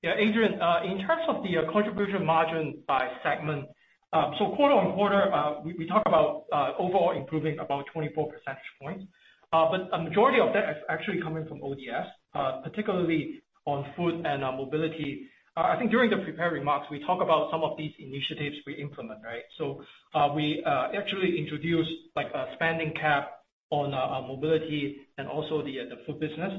Yeah, Adrian, in terms of the contribution margin by segment. Quarter-on-quarter, we talk about overall improving about 24 percentage points. A majority of that is actually coming from ODS, particularly on food and on mobility. I think during the prepared remarks, we talk about some of these initiatives we implement, right? We actually introduced like a spending cap on our mobility and also the food business.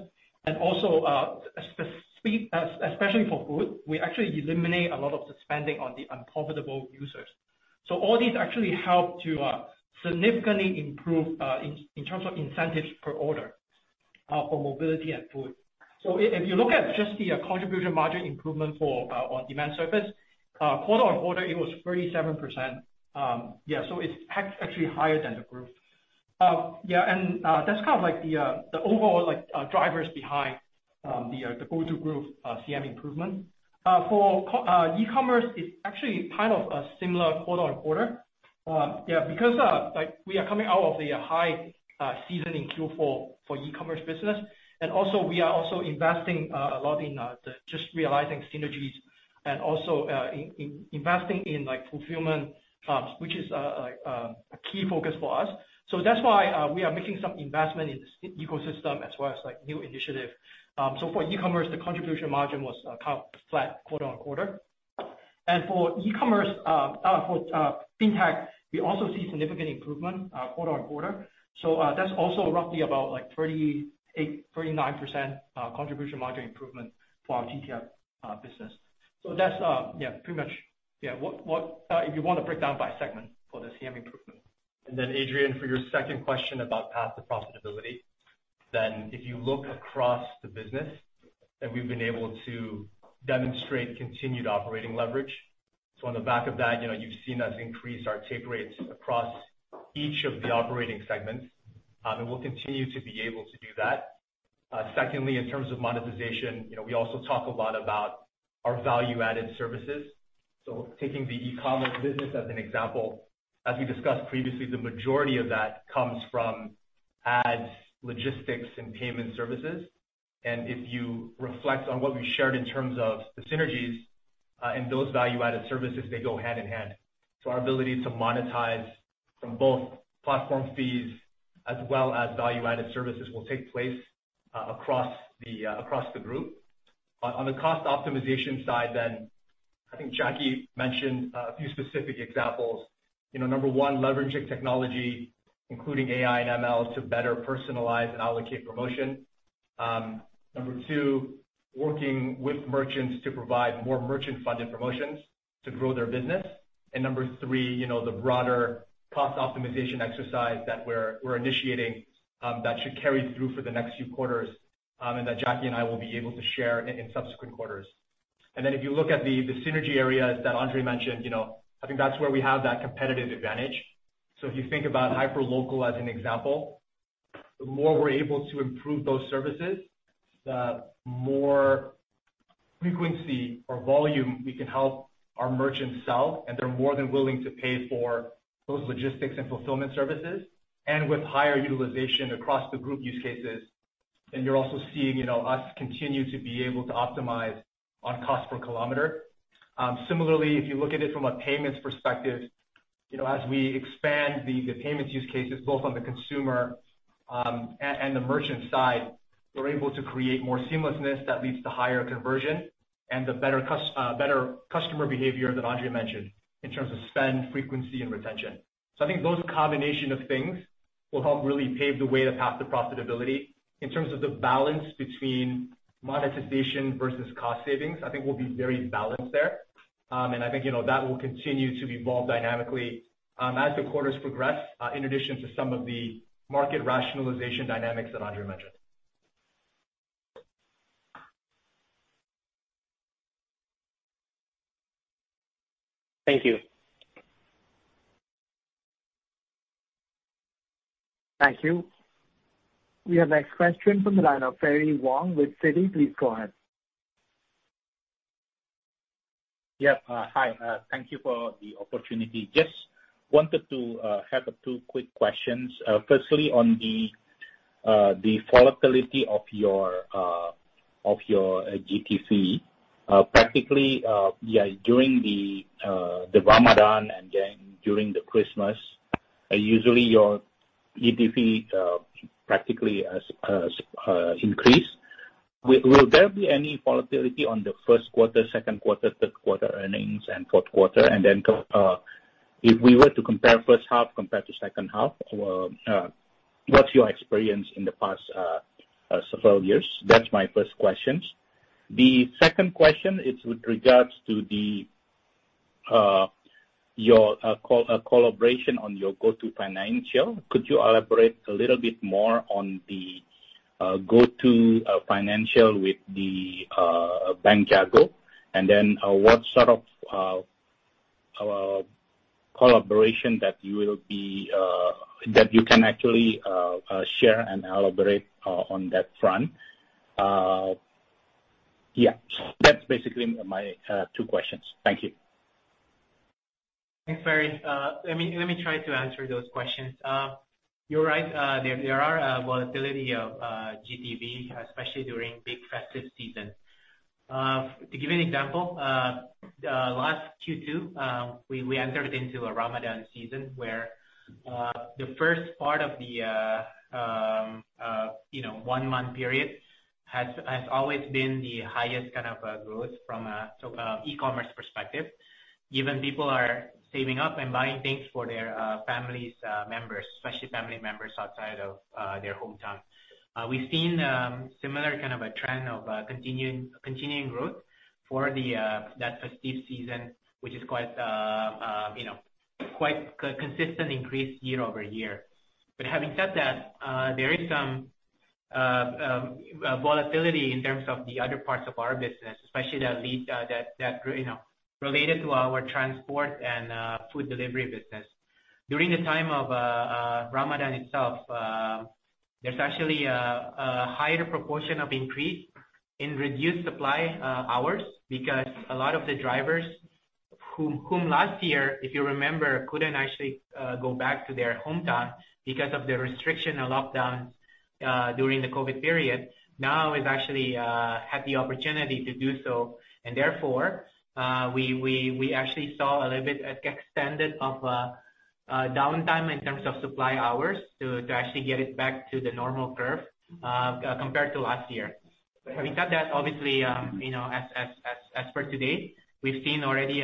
Especially for food, we actually eliminate a lot of the spending on the unprofitable users. All these actually help to significantly improve in terms of incentives per order for mobility and food. If you look at just the contribution margin improvement for on-demand service quarter-on-quarter, it was 37%. Yeah. It's actually higher than the group. Yeah, that's kind of like the overall like drivers behind the GoTo Group CM improvement. For e-commerce, it's actually kind of a similar quarter-on-quarter. Yeah, because like we are coming out of the high season in Q4 for e-commerce business. Also we are also investing a lot in the just realizing synergies and also investing in like fulfillment, which is like a key focus for us. That's why we are making some investment in this ecosystem as well as like new initiative. For e-commerce, the contribution margin was kind of flat quarter-on-quarter. For e-commerce, for fintech, we also see significant improvement quarter-on-quarter. That's also roughly about like 38%-39% contribution margin improvement for our GTF business. That's yeah, pretty much, yeah, what if you wanna break down by segment for the CM improvement. Adrian, for your second question about path to profitability, then if you look across the business, then we've been able to demonstrate continued operating leverage. On the back of that, you know, you've seen us increase our take rates across each of the operating segments. We'll continue to be able to do that. Secondly, in terms of monetization, you know, we also talk a lot about our value-added services. Taking the e-commerce business as an example, as we discussed previously, the majority of that comes from ads, logistics and payment services. If you reflect on what we shared in terms of the synergies, in those value-added services, they go hand in hand. Our ability to monetize from both platform fees as well as value-added services will take place, across the group. On the cost optimization side, I think Jacky mentioned a few specific examples. You know, number one, leveraging technology, including AI and ML, to better personalize and allocate promotion. Number two, working with merchants to provide more merchant-funded promotions to grow their business. Number three, you know, the broader cost optimization exercise that we're initiating, that should carry through for the next few quarters, and that Jacky and I will be able to share in subsequent quarters. If you look at the synergy areas that Andre mentioned, you know, I think that's where we have that competitive advantage. If you think about hyperlocal as an example, the more we're able to improve those services, the more frequency or volume we can help our merchants sell, and they're more than willing to pay for those logistics and fulfillment services. With higher utilization across the group use cases, then you're also seeing us continue to be able to optimize on cost per kilometer. Similarly, if you look at it from a payments perspective, as we expand the payments use cases, both on the consumer and the merchant side, we're able to create more seamlessness that leads to higher conversion and the better customer behavior that Andre mentioned in terms of spend, frequency and retention. I think those combination of things will help really pave the way to path to profitability. In terms of the balance between monetization versus cost savings, I think we'll be very balanced there. I think that will continue to evolve dynamically as the quarters progress in addition to some of the market rationalization dynamics that Andre mentioned. Thank you. Thank you. We have next question from the line of Ferry Wong with Citi. Please go ahead. Hi. Thank you for the opportunity. Just wanted to have two quick questions. Firstly on the volatility of your GTV. Practically, during the Ramadan and then during the Christmas, usually your GTV practically increase. Will there be any volatility on the first quarter, second quarter, third quarter earnings and fourth quarter? And then, if we were to compare first half compared to second half, what's your experience in the past several years? That's my first questions. The second question is with regards to your collaboration on your GoTo Financial. Could you elaborate a little bit more on the GoTo Financial with the Bank Jago? What sort of collaboration that you can actually share and elaborate on that front? Yeah, that's basically my two questions. Thank you. Thanks, Ferry. Let me try to answer those questions. You're right. There are volatility of GTV, especially during big festive season. To give you an example, last Q2, we entered into a Ramadan season where the first part of the You know, one month period has always been the highest kind of growth from a e-commerce perspective, given people are saving up and buying things for their families, members, especially family members outside of their hometown. We've seen similar kind of a trend of continuing growth for that festive season, which is quite, you know, quite consistent increase year-over-year. Having said that, there is some volatility in terms of the other parts of our business, especially the latter that you know related to our transport and food delivery business. During the time of Ramadan itself, there's actually a higher proportion of increase in reduced supply hours because a lot of the drivers whom last year, if you remember, couldn't actually go back to their hometown because of the restriction or lockdowns during the COVID period now actually have had the opportunity to do so. Therefore, we actually saw a little bit extended of downtime in terms of supply hours to actually get it back to the normal curve compared to last year. Having said that, obviously, you know, as of today, we've seen already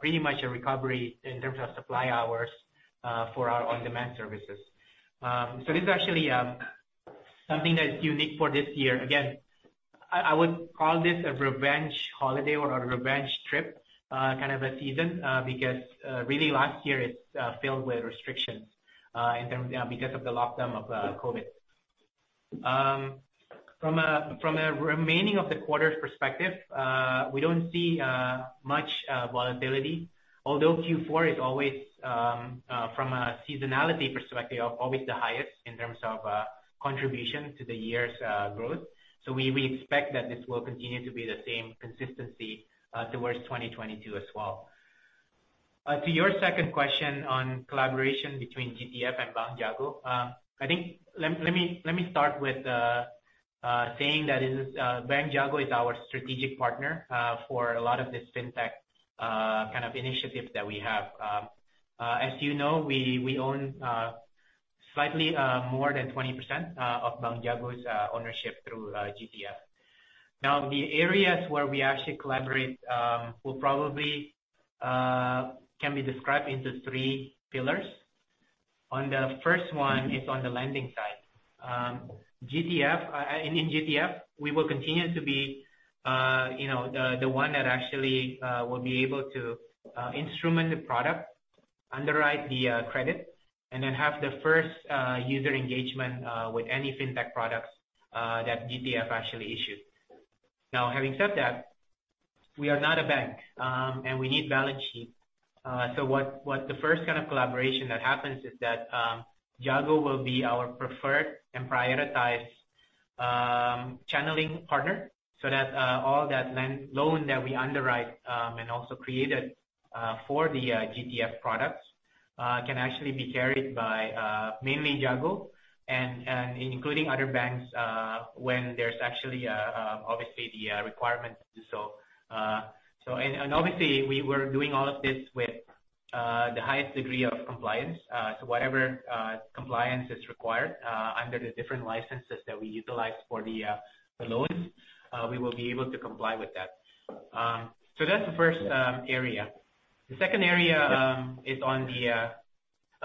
pretty much a recovery in terms of supply hours for our on-demand services. This is actually something that's unique for this year. Again, I would call this a revenge holiday or a revenge trip, kind of a season, because really last year is filled with restrictions. Yeah, because of the lockdown of COVID. From a remainder of the quarter's perspective, we don't see much volatility, although Q4 is always from a seasonality perspective the highest in terms of contribution to the year's growth. We expect that this will continue to be the same consistency towards 2022 as well. To your second question on collaboration between GTF and Bank Jago. I think let me start with saying that Bank Jago is our strategic partner for a lot of this Fintech kind of initiatives that we have. As you know, we own slightly more than 20% of Bank Jago's ownership through GTF. Now, the areas where we actually collaborate will probably can be described into three pillars. On the first one is on the lending side. GTF, in GTF, we will continue to be, you know, the one that actually will be able to instrument the product, underwrite the credit, and then have the first user engagement with any fintech products that GTF actually issues. Now, having said that, we are not a bank, and we need balance sheet. The first kind of collaboration that happens is that Jago will be our preferred and prioritized channeling partner, so that all that loan that we underwrite and also created for the GTF products can actually be carried by mainly Jago and including other banks when there's actually obviously the requirement to do so. Obviously we were doing all of this with the highest degree of compliance. Whatever compliance is required under the different licenses that we utilize for the loans, we will be able to comply with that. That's the first area. The second area is on the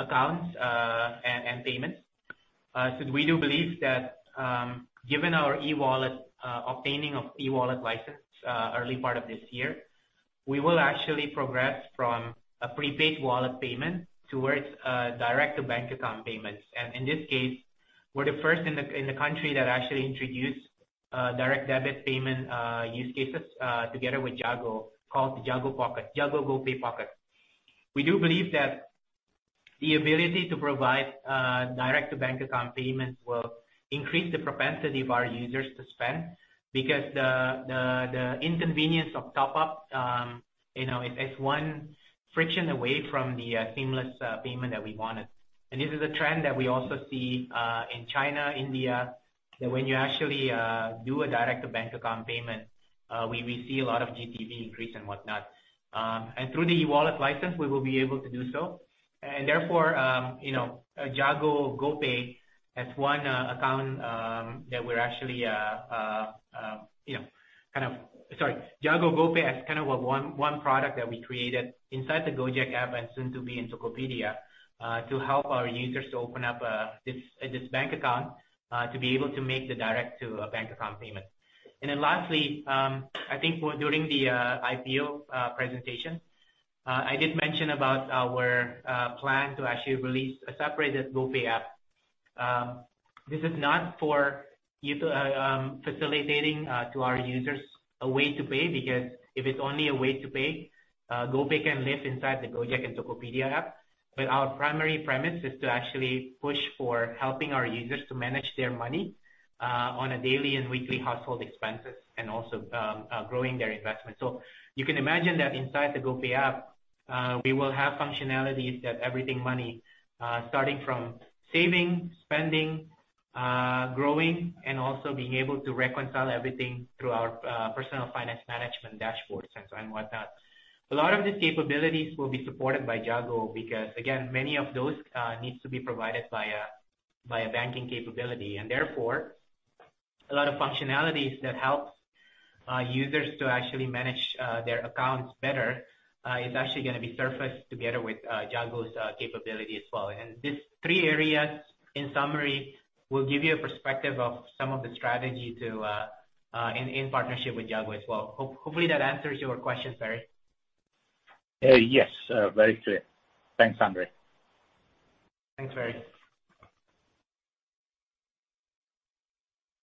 accounts and payments. We do believe that, given our e-wallet obtaining of e-wallet license, early part of this year, we will actually progress from a prepaid wallet payment towards direct to bank account payments. In this case, we're the first in the country that actually introduced direct debit payment use cases together with Jago, called Jago Pocket, GoPay Pocket. We do believe that the ability to provide direct to bank account payments will increase the propensity of our users to spend because the inconvenience of top-up, you know, it's one friction away from the seamless payment that we wanted. This is a trend that we also see in China, India, that when you actually do a direct to bank account payment, we see a lot of GTV increase and whatnot. Through the e-wallet license, we will be able to do so. Therefore, Jago GoPay has kind of one product that we created inside the Gojek app and soon to be in Tokopedia, to help our users to open up this bank account, to be able to make the direct to a bank account payment. Then lastly, I think during the IPO presentation, I did mention about our plan to actually release a separated GoPay app. This is not facilitating to our users a way to pay because if it's only a way to pay, GoPay can live inside the Gojek and Tokopedia app. Our primary premise is to actually push for helping our users to manage their money on a daily and weekly household expenses and also growing their investment. You can imagine that inside the GoPay app we will have functionalities that everything money starting from saving, spending, growing, and also being able to reconcile everything through our personal finance management dashboards and so on, whatnot. A lot of the capabilities will be supported by Jago because again, many of those needs to be provided by a banking capability. Therefore, a lot of functionalities that help users to actually manage their accounts better is actually gonna be surfaced together with Jago's capability as well. These three areas, in summary, will give you a perspective of some of the strategy to in partnership with Jago as well. Hopefully that answers your question, Ferry. Yes, very clear. Thanks, Andre. Thanks, Ferry Wong.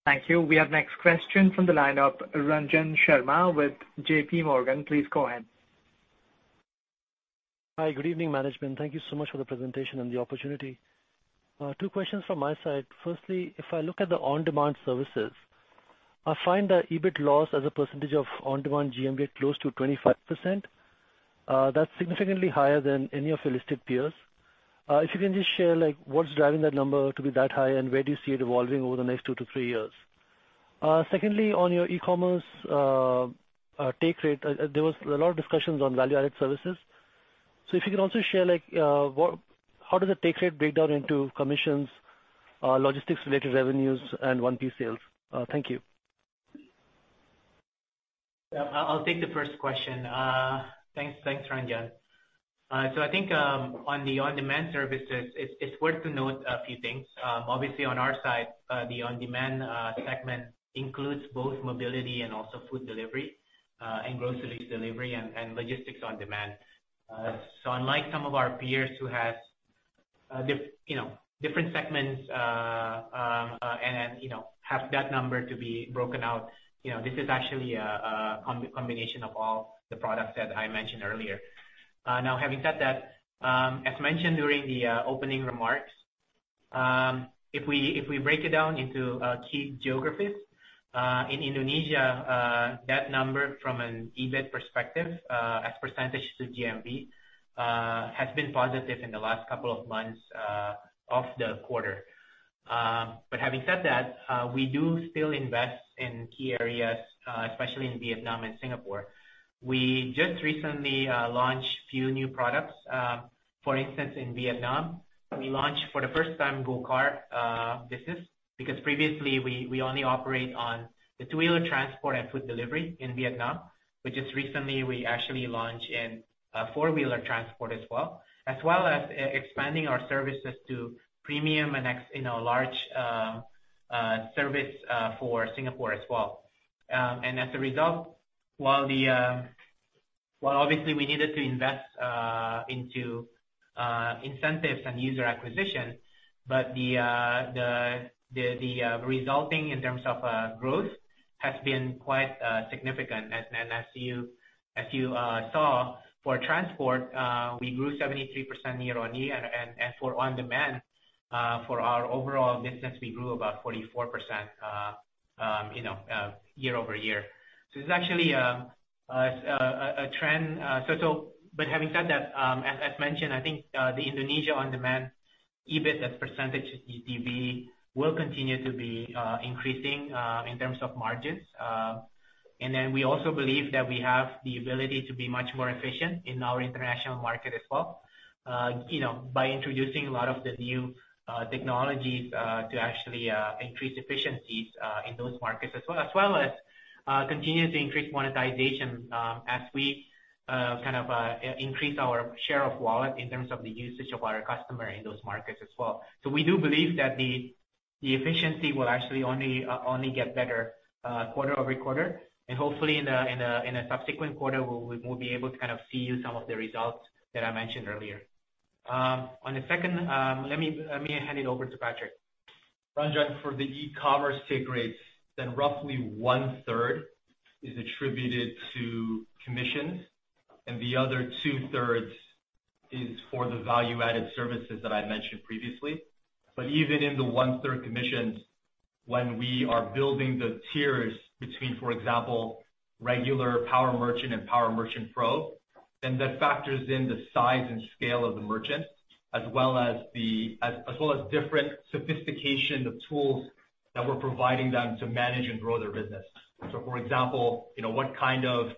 Thank you. We have next question from the line of Ranjan Sharma with J.P. Morgan, please go ahead. Hi, good evening, management. Thank you so much for the presentation and the opportunity. 2 questions from my side. Firstly, if I look at the on-demand services, I find that EBIT loss as a percentage of on-demand GMV close to 25%. That's significantly higher than any of your listed peers. If you can just share, like, what's driving that number to be that high, and where do you see it evolving over the next 2 to 3 years? Secondly, on your e-commerce take rate, there was a lot of discussions on value-added services. If you can also share, like, how does the take rate break down into commissions, logistics related revenues, and 1P sales? Thank you. Yeah. I'll take the first question. Thanks, Ranjan. I think on the on-demand services, it's worth to note a few things. Obviously on our side, the on-demand segment includes both mobility and also food delivery, and groceries delivery and logistics on demand. Unlike some of our peers who has different segments, you know, and have that number to be broken out, you know, this is actually a combination of all the products that I mentioned earlier. Now having said that, as mentioned during the opening remarks, if we break it down into key geographies in Indonesia, that number from an EBIT perspective as percentage to GMV has been positive in the last couple of months of the quarter. Having said that, we do still invest in key areas, especially in Vietnam and Singapore. We just recently launched few new products. For instance, in Vietnam, we launched for the first time GoCar business. Because previously we only operate on the two-wheeler transport and food delivery in Vietnam. Just recently we actually launched in four-wheeler transport as well. As well as expanding our services to premium and extra-large, you know, service for Singapore as well. As a result, while obviously we needed to invest into incentives and user acquisition, but the resulting, in terms of growth, has been quite significant. As you saw for transport, we grew 73% year-on-year. For on-demand for our overall business, we grew about 44% year-over-year. It's actually a trend. But having said that, as mentioned, I think the Indonesia on-demand EBIT as percentage of GTV will continue to be increasing in terms of margins. We also believe that we have the ability to be much more efficient in our international market as well, you know, by introducing a lot of the new technologies to actually increase efficiencies in those markets. As well as continue to increase monetization, as we kind of increase our share of wallet in terms of the usage of our customer in those markets as well. We do believe that the efficiency will actually only get better quarter over quarter. Hopefully in a subsequent quarter, we'll be able to kind of see some of the results that I mentioned earlier. On the second, let me hand it over to Patrick. Ranjan, for the e-commerce take rates, roughly one-third is attributed to commissions and the other two-thirds is for the value-added services that I mentioned previously. Even in the one-third commissions, when we are building the tiers between, for example, regular power merchant and power merchant pro, that factors in the size and scale of the merchant, as well as different sophistication of tools that we're providing them to manage and grow their business. For example, you know, what kind of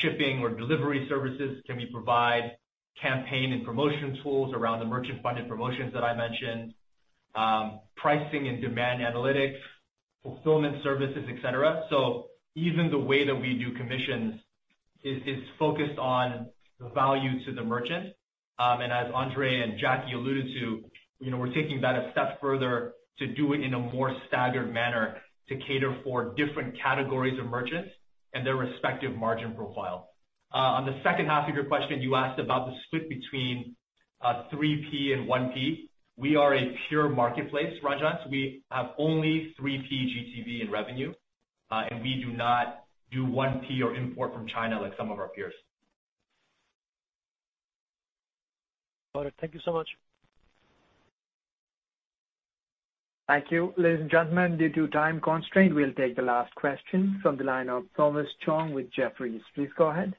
shipping or delivery services can we provide, campaign and promotion tools around the merchant-funded promotions that I mentioned, pricing and demand analytics, fulfillment services, et cetera. Even the way that we do commissions is focused on the value to the merchant. As Andre and Jacky alluded to, you know, we're taking that a step further to do it in a more staggered manner to cater for different categories of merchants and their respective margin profile. On the second half of your question, you asked about the split between 3P and 1P. We are a pure marketplace, Ranjan. We have only 3P GTV in revenue. We do not do 1P or import from China like some of our peers. Got it. Thank you so much. Thank you. Ladies and gentlemen, due to time constraint, we'll take the last question from the line of Thomas Chong with Jefferies. Please go ahead.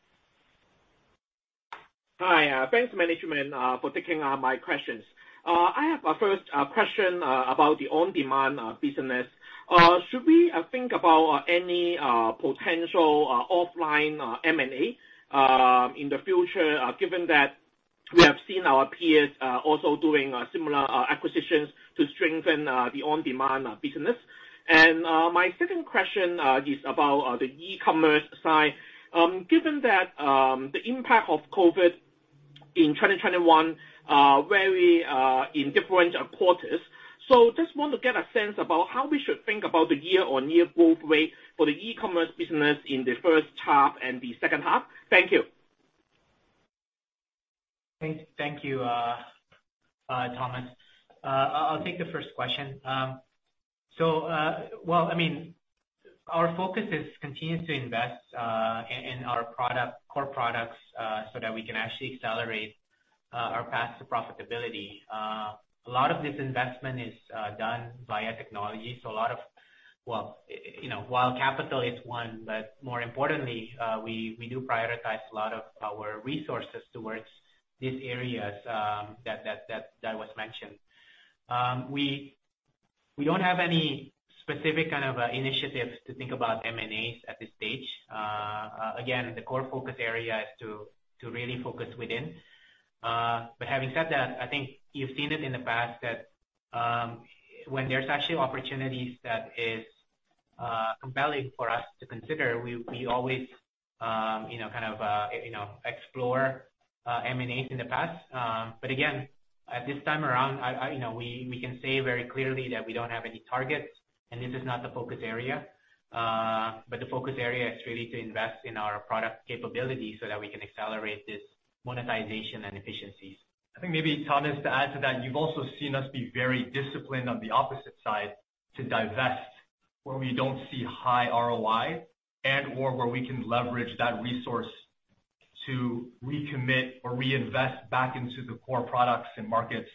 Hi, thanks management for taking my questions. I have a first question about the on-demand business. Should we think about any potential offline M&A in the future, given that we have seen our peers also doing similar acquisitions to strengthen the on-demand business? My second question is about the e-commerce side. Given that the impact of COVID in 2021 varied in different quarters. Just want to get a sense about how we should think about the year-on-year growth rate for the e-commerce business in the first half and the second half. Thank you. Thank you, Thomas. I'll take the first question. Well, I mean, our focus continues to invest in our product, core products, so that we can actually accelerate our path to profitability. A lot of this investment is done via technology. Well, you know, while capital is one, but more importantly, we do prioritize a lot of our resources towards these areas, that was mentioned. We don't have any specific kind of initiatives to think about M&As at this stage. Again, the core focus area is to really focus within. Having said that, I think you've seen it in the past that when there's actually opportunities that is compelling for us to consider, we always you know kind of you know explore M&As in the past. Again, at this time around, I you know we can say very clearly that we don't have any targets and this is not the focus area. The focus area is really to invest in our product capability so that we can accelerate this monetization and efficiencies. I think maybe, Thomas, to add to that, you've also seen us be very disciplined on the opposite side to divest where we don't see high ROI and/or where we can leverage that resource to recommit or reinvest back into the core products and markets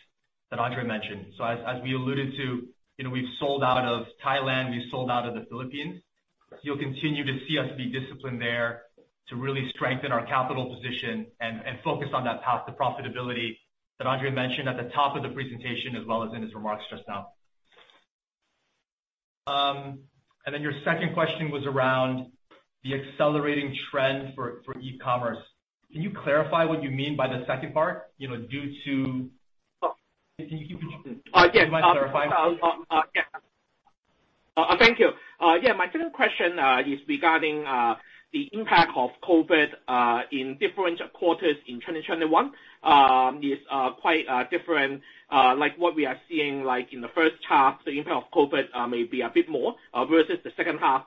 that Andre mentioned. As we alluded to, you know, we've sold out of Thailand, we've sold out of the Philippines. You'll continue to see us be disciplined there to really strengthen our capital position and focus on that path to profitability that Andre mentioned at the top of the presentation as well as in his remarks just now. Your second question was around the accelerating trend for e-commerce. Can you clarify what you mean by the second part? You know, due to- Oh. Can you repeat that? Yes. You mind clarifying? Yeah. Thank you. Yeah, my second question is regarding the impact of COVID in different quarters in 2021. It's quite different, like what we are seeing, like in the first half, the impact of COVID may be a bit more versus the second half.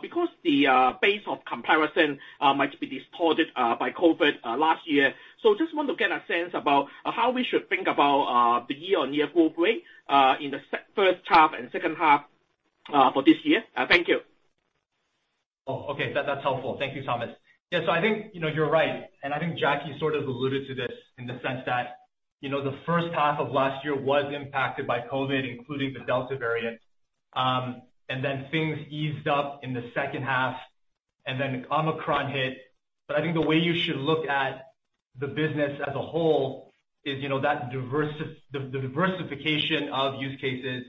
Because the base of comparison might be distorted by COVID last year. Just want to get a sense about how we should think about the year-on-year growth rate in the first half and second half for this year. Thank you. Oh, okay. That's helpful. Thank you, Thomas. Yeah, I think, you know, you're right, and I think Jacky sort of alluded to this in the sense that, you know, the first half of last year was impacted by COVID, including the Delta variant. Things eased up in the second half, and then Omicron hit. I think the way you should look at the business as a whole is, you know, the diversification of use cases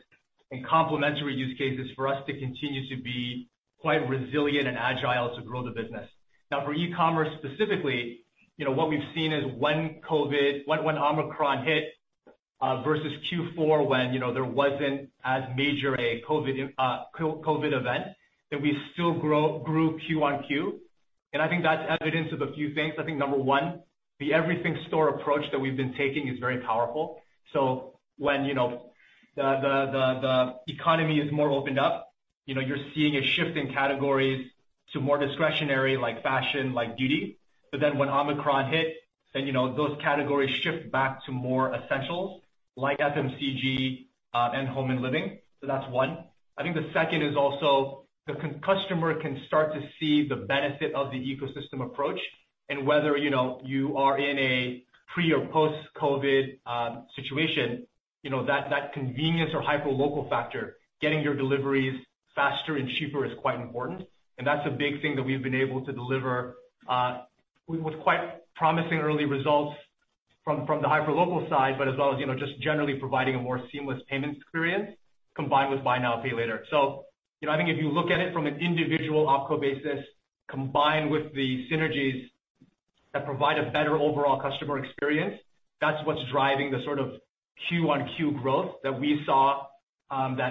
and complementary use cases for us to continue to be quite resilient and agile to grow the business. Now, for e-commerce specifically, you know, what we've seen is when Omicron hit versus Q4 when, you know, there wasn't as major a COVID event, that we still grew Q-on-Q. I think that's evidence of a few things. I think number one, the everything store approach that we've been taking is very powerful. When, you know, the economy is more opened up, you know, you're seeing a shift in categories to more discretionary like fashion, like beauty. When Omicron hit, you know, those categories shift back to more essentials like FMCG, and home and living. That's one. I think the second is also the customer can start to see the benefit of the ecosystem approach. Whether, you know, you are in a pre or post-COVID situation, you know, that convenience or hyperlocal factor, getting your deliveries faster and cheaper is quite important. That's a big thing that we've been able to deliver, with quite promising early results from the hyperlocal side, but as well as, you know, just generally providing a more seamless payment experience combined with buy now, pay later. You know, I think if you look at it from an individual opco basis, combined with the synergies that provide a better overall customer experience, that's what's driving the sort of Q-on-Q growth that we saw,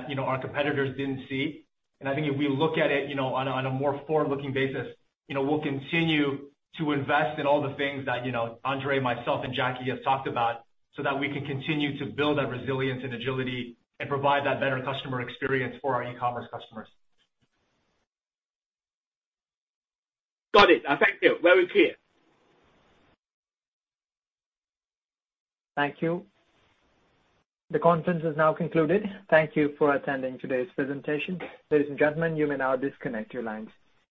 you know, our competitors didn't see. I think if we look at it, you know, on a more forward-looking basis, you know, we'll continue to invest in all the things that, you know, Andre, myself, and Jackie have talked about, so that we can continue to build that resilience and agility and provide that better customer experience for our e-commerce customers. Got it. Thank you. Very clear. Thank you. The conference is now concluded. Thank you for attending today's presentation. Ladies and gentlemen, you may now disconnect your lines.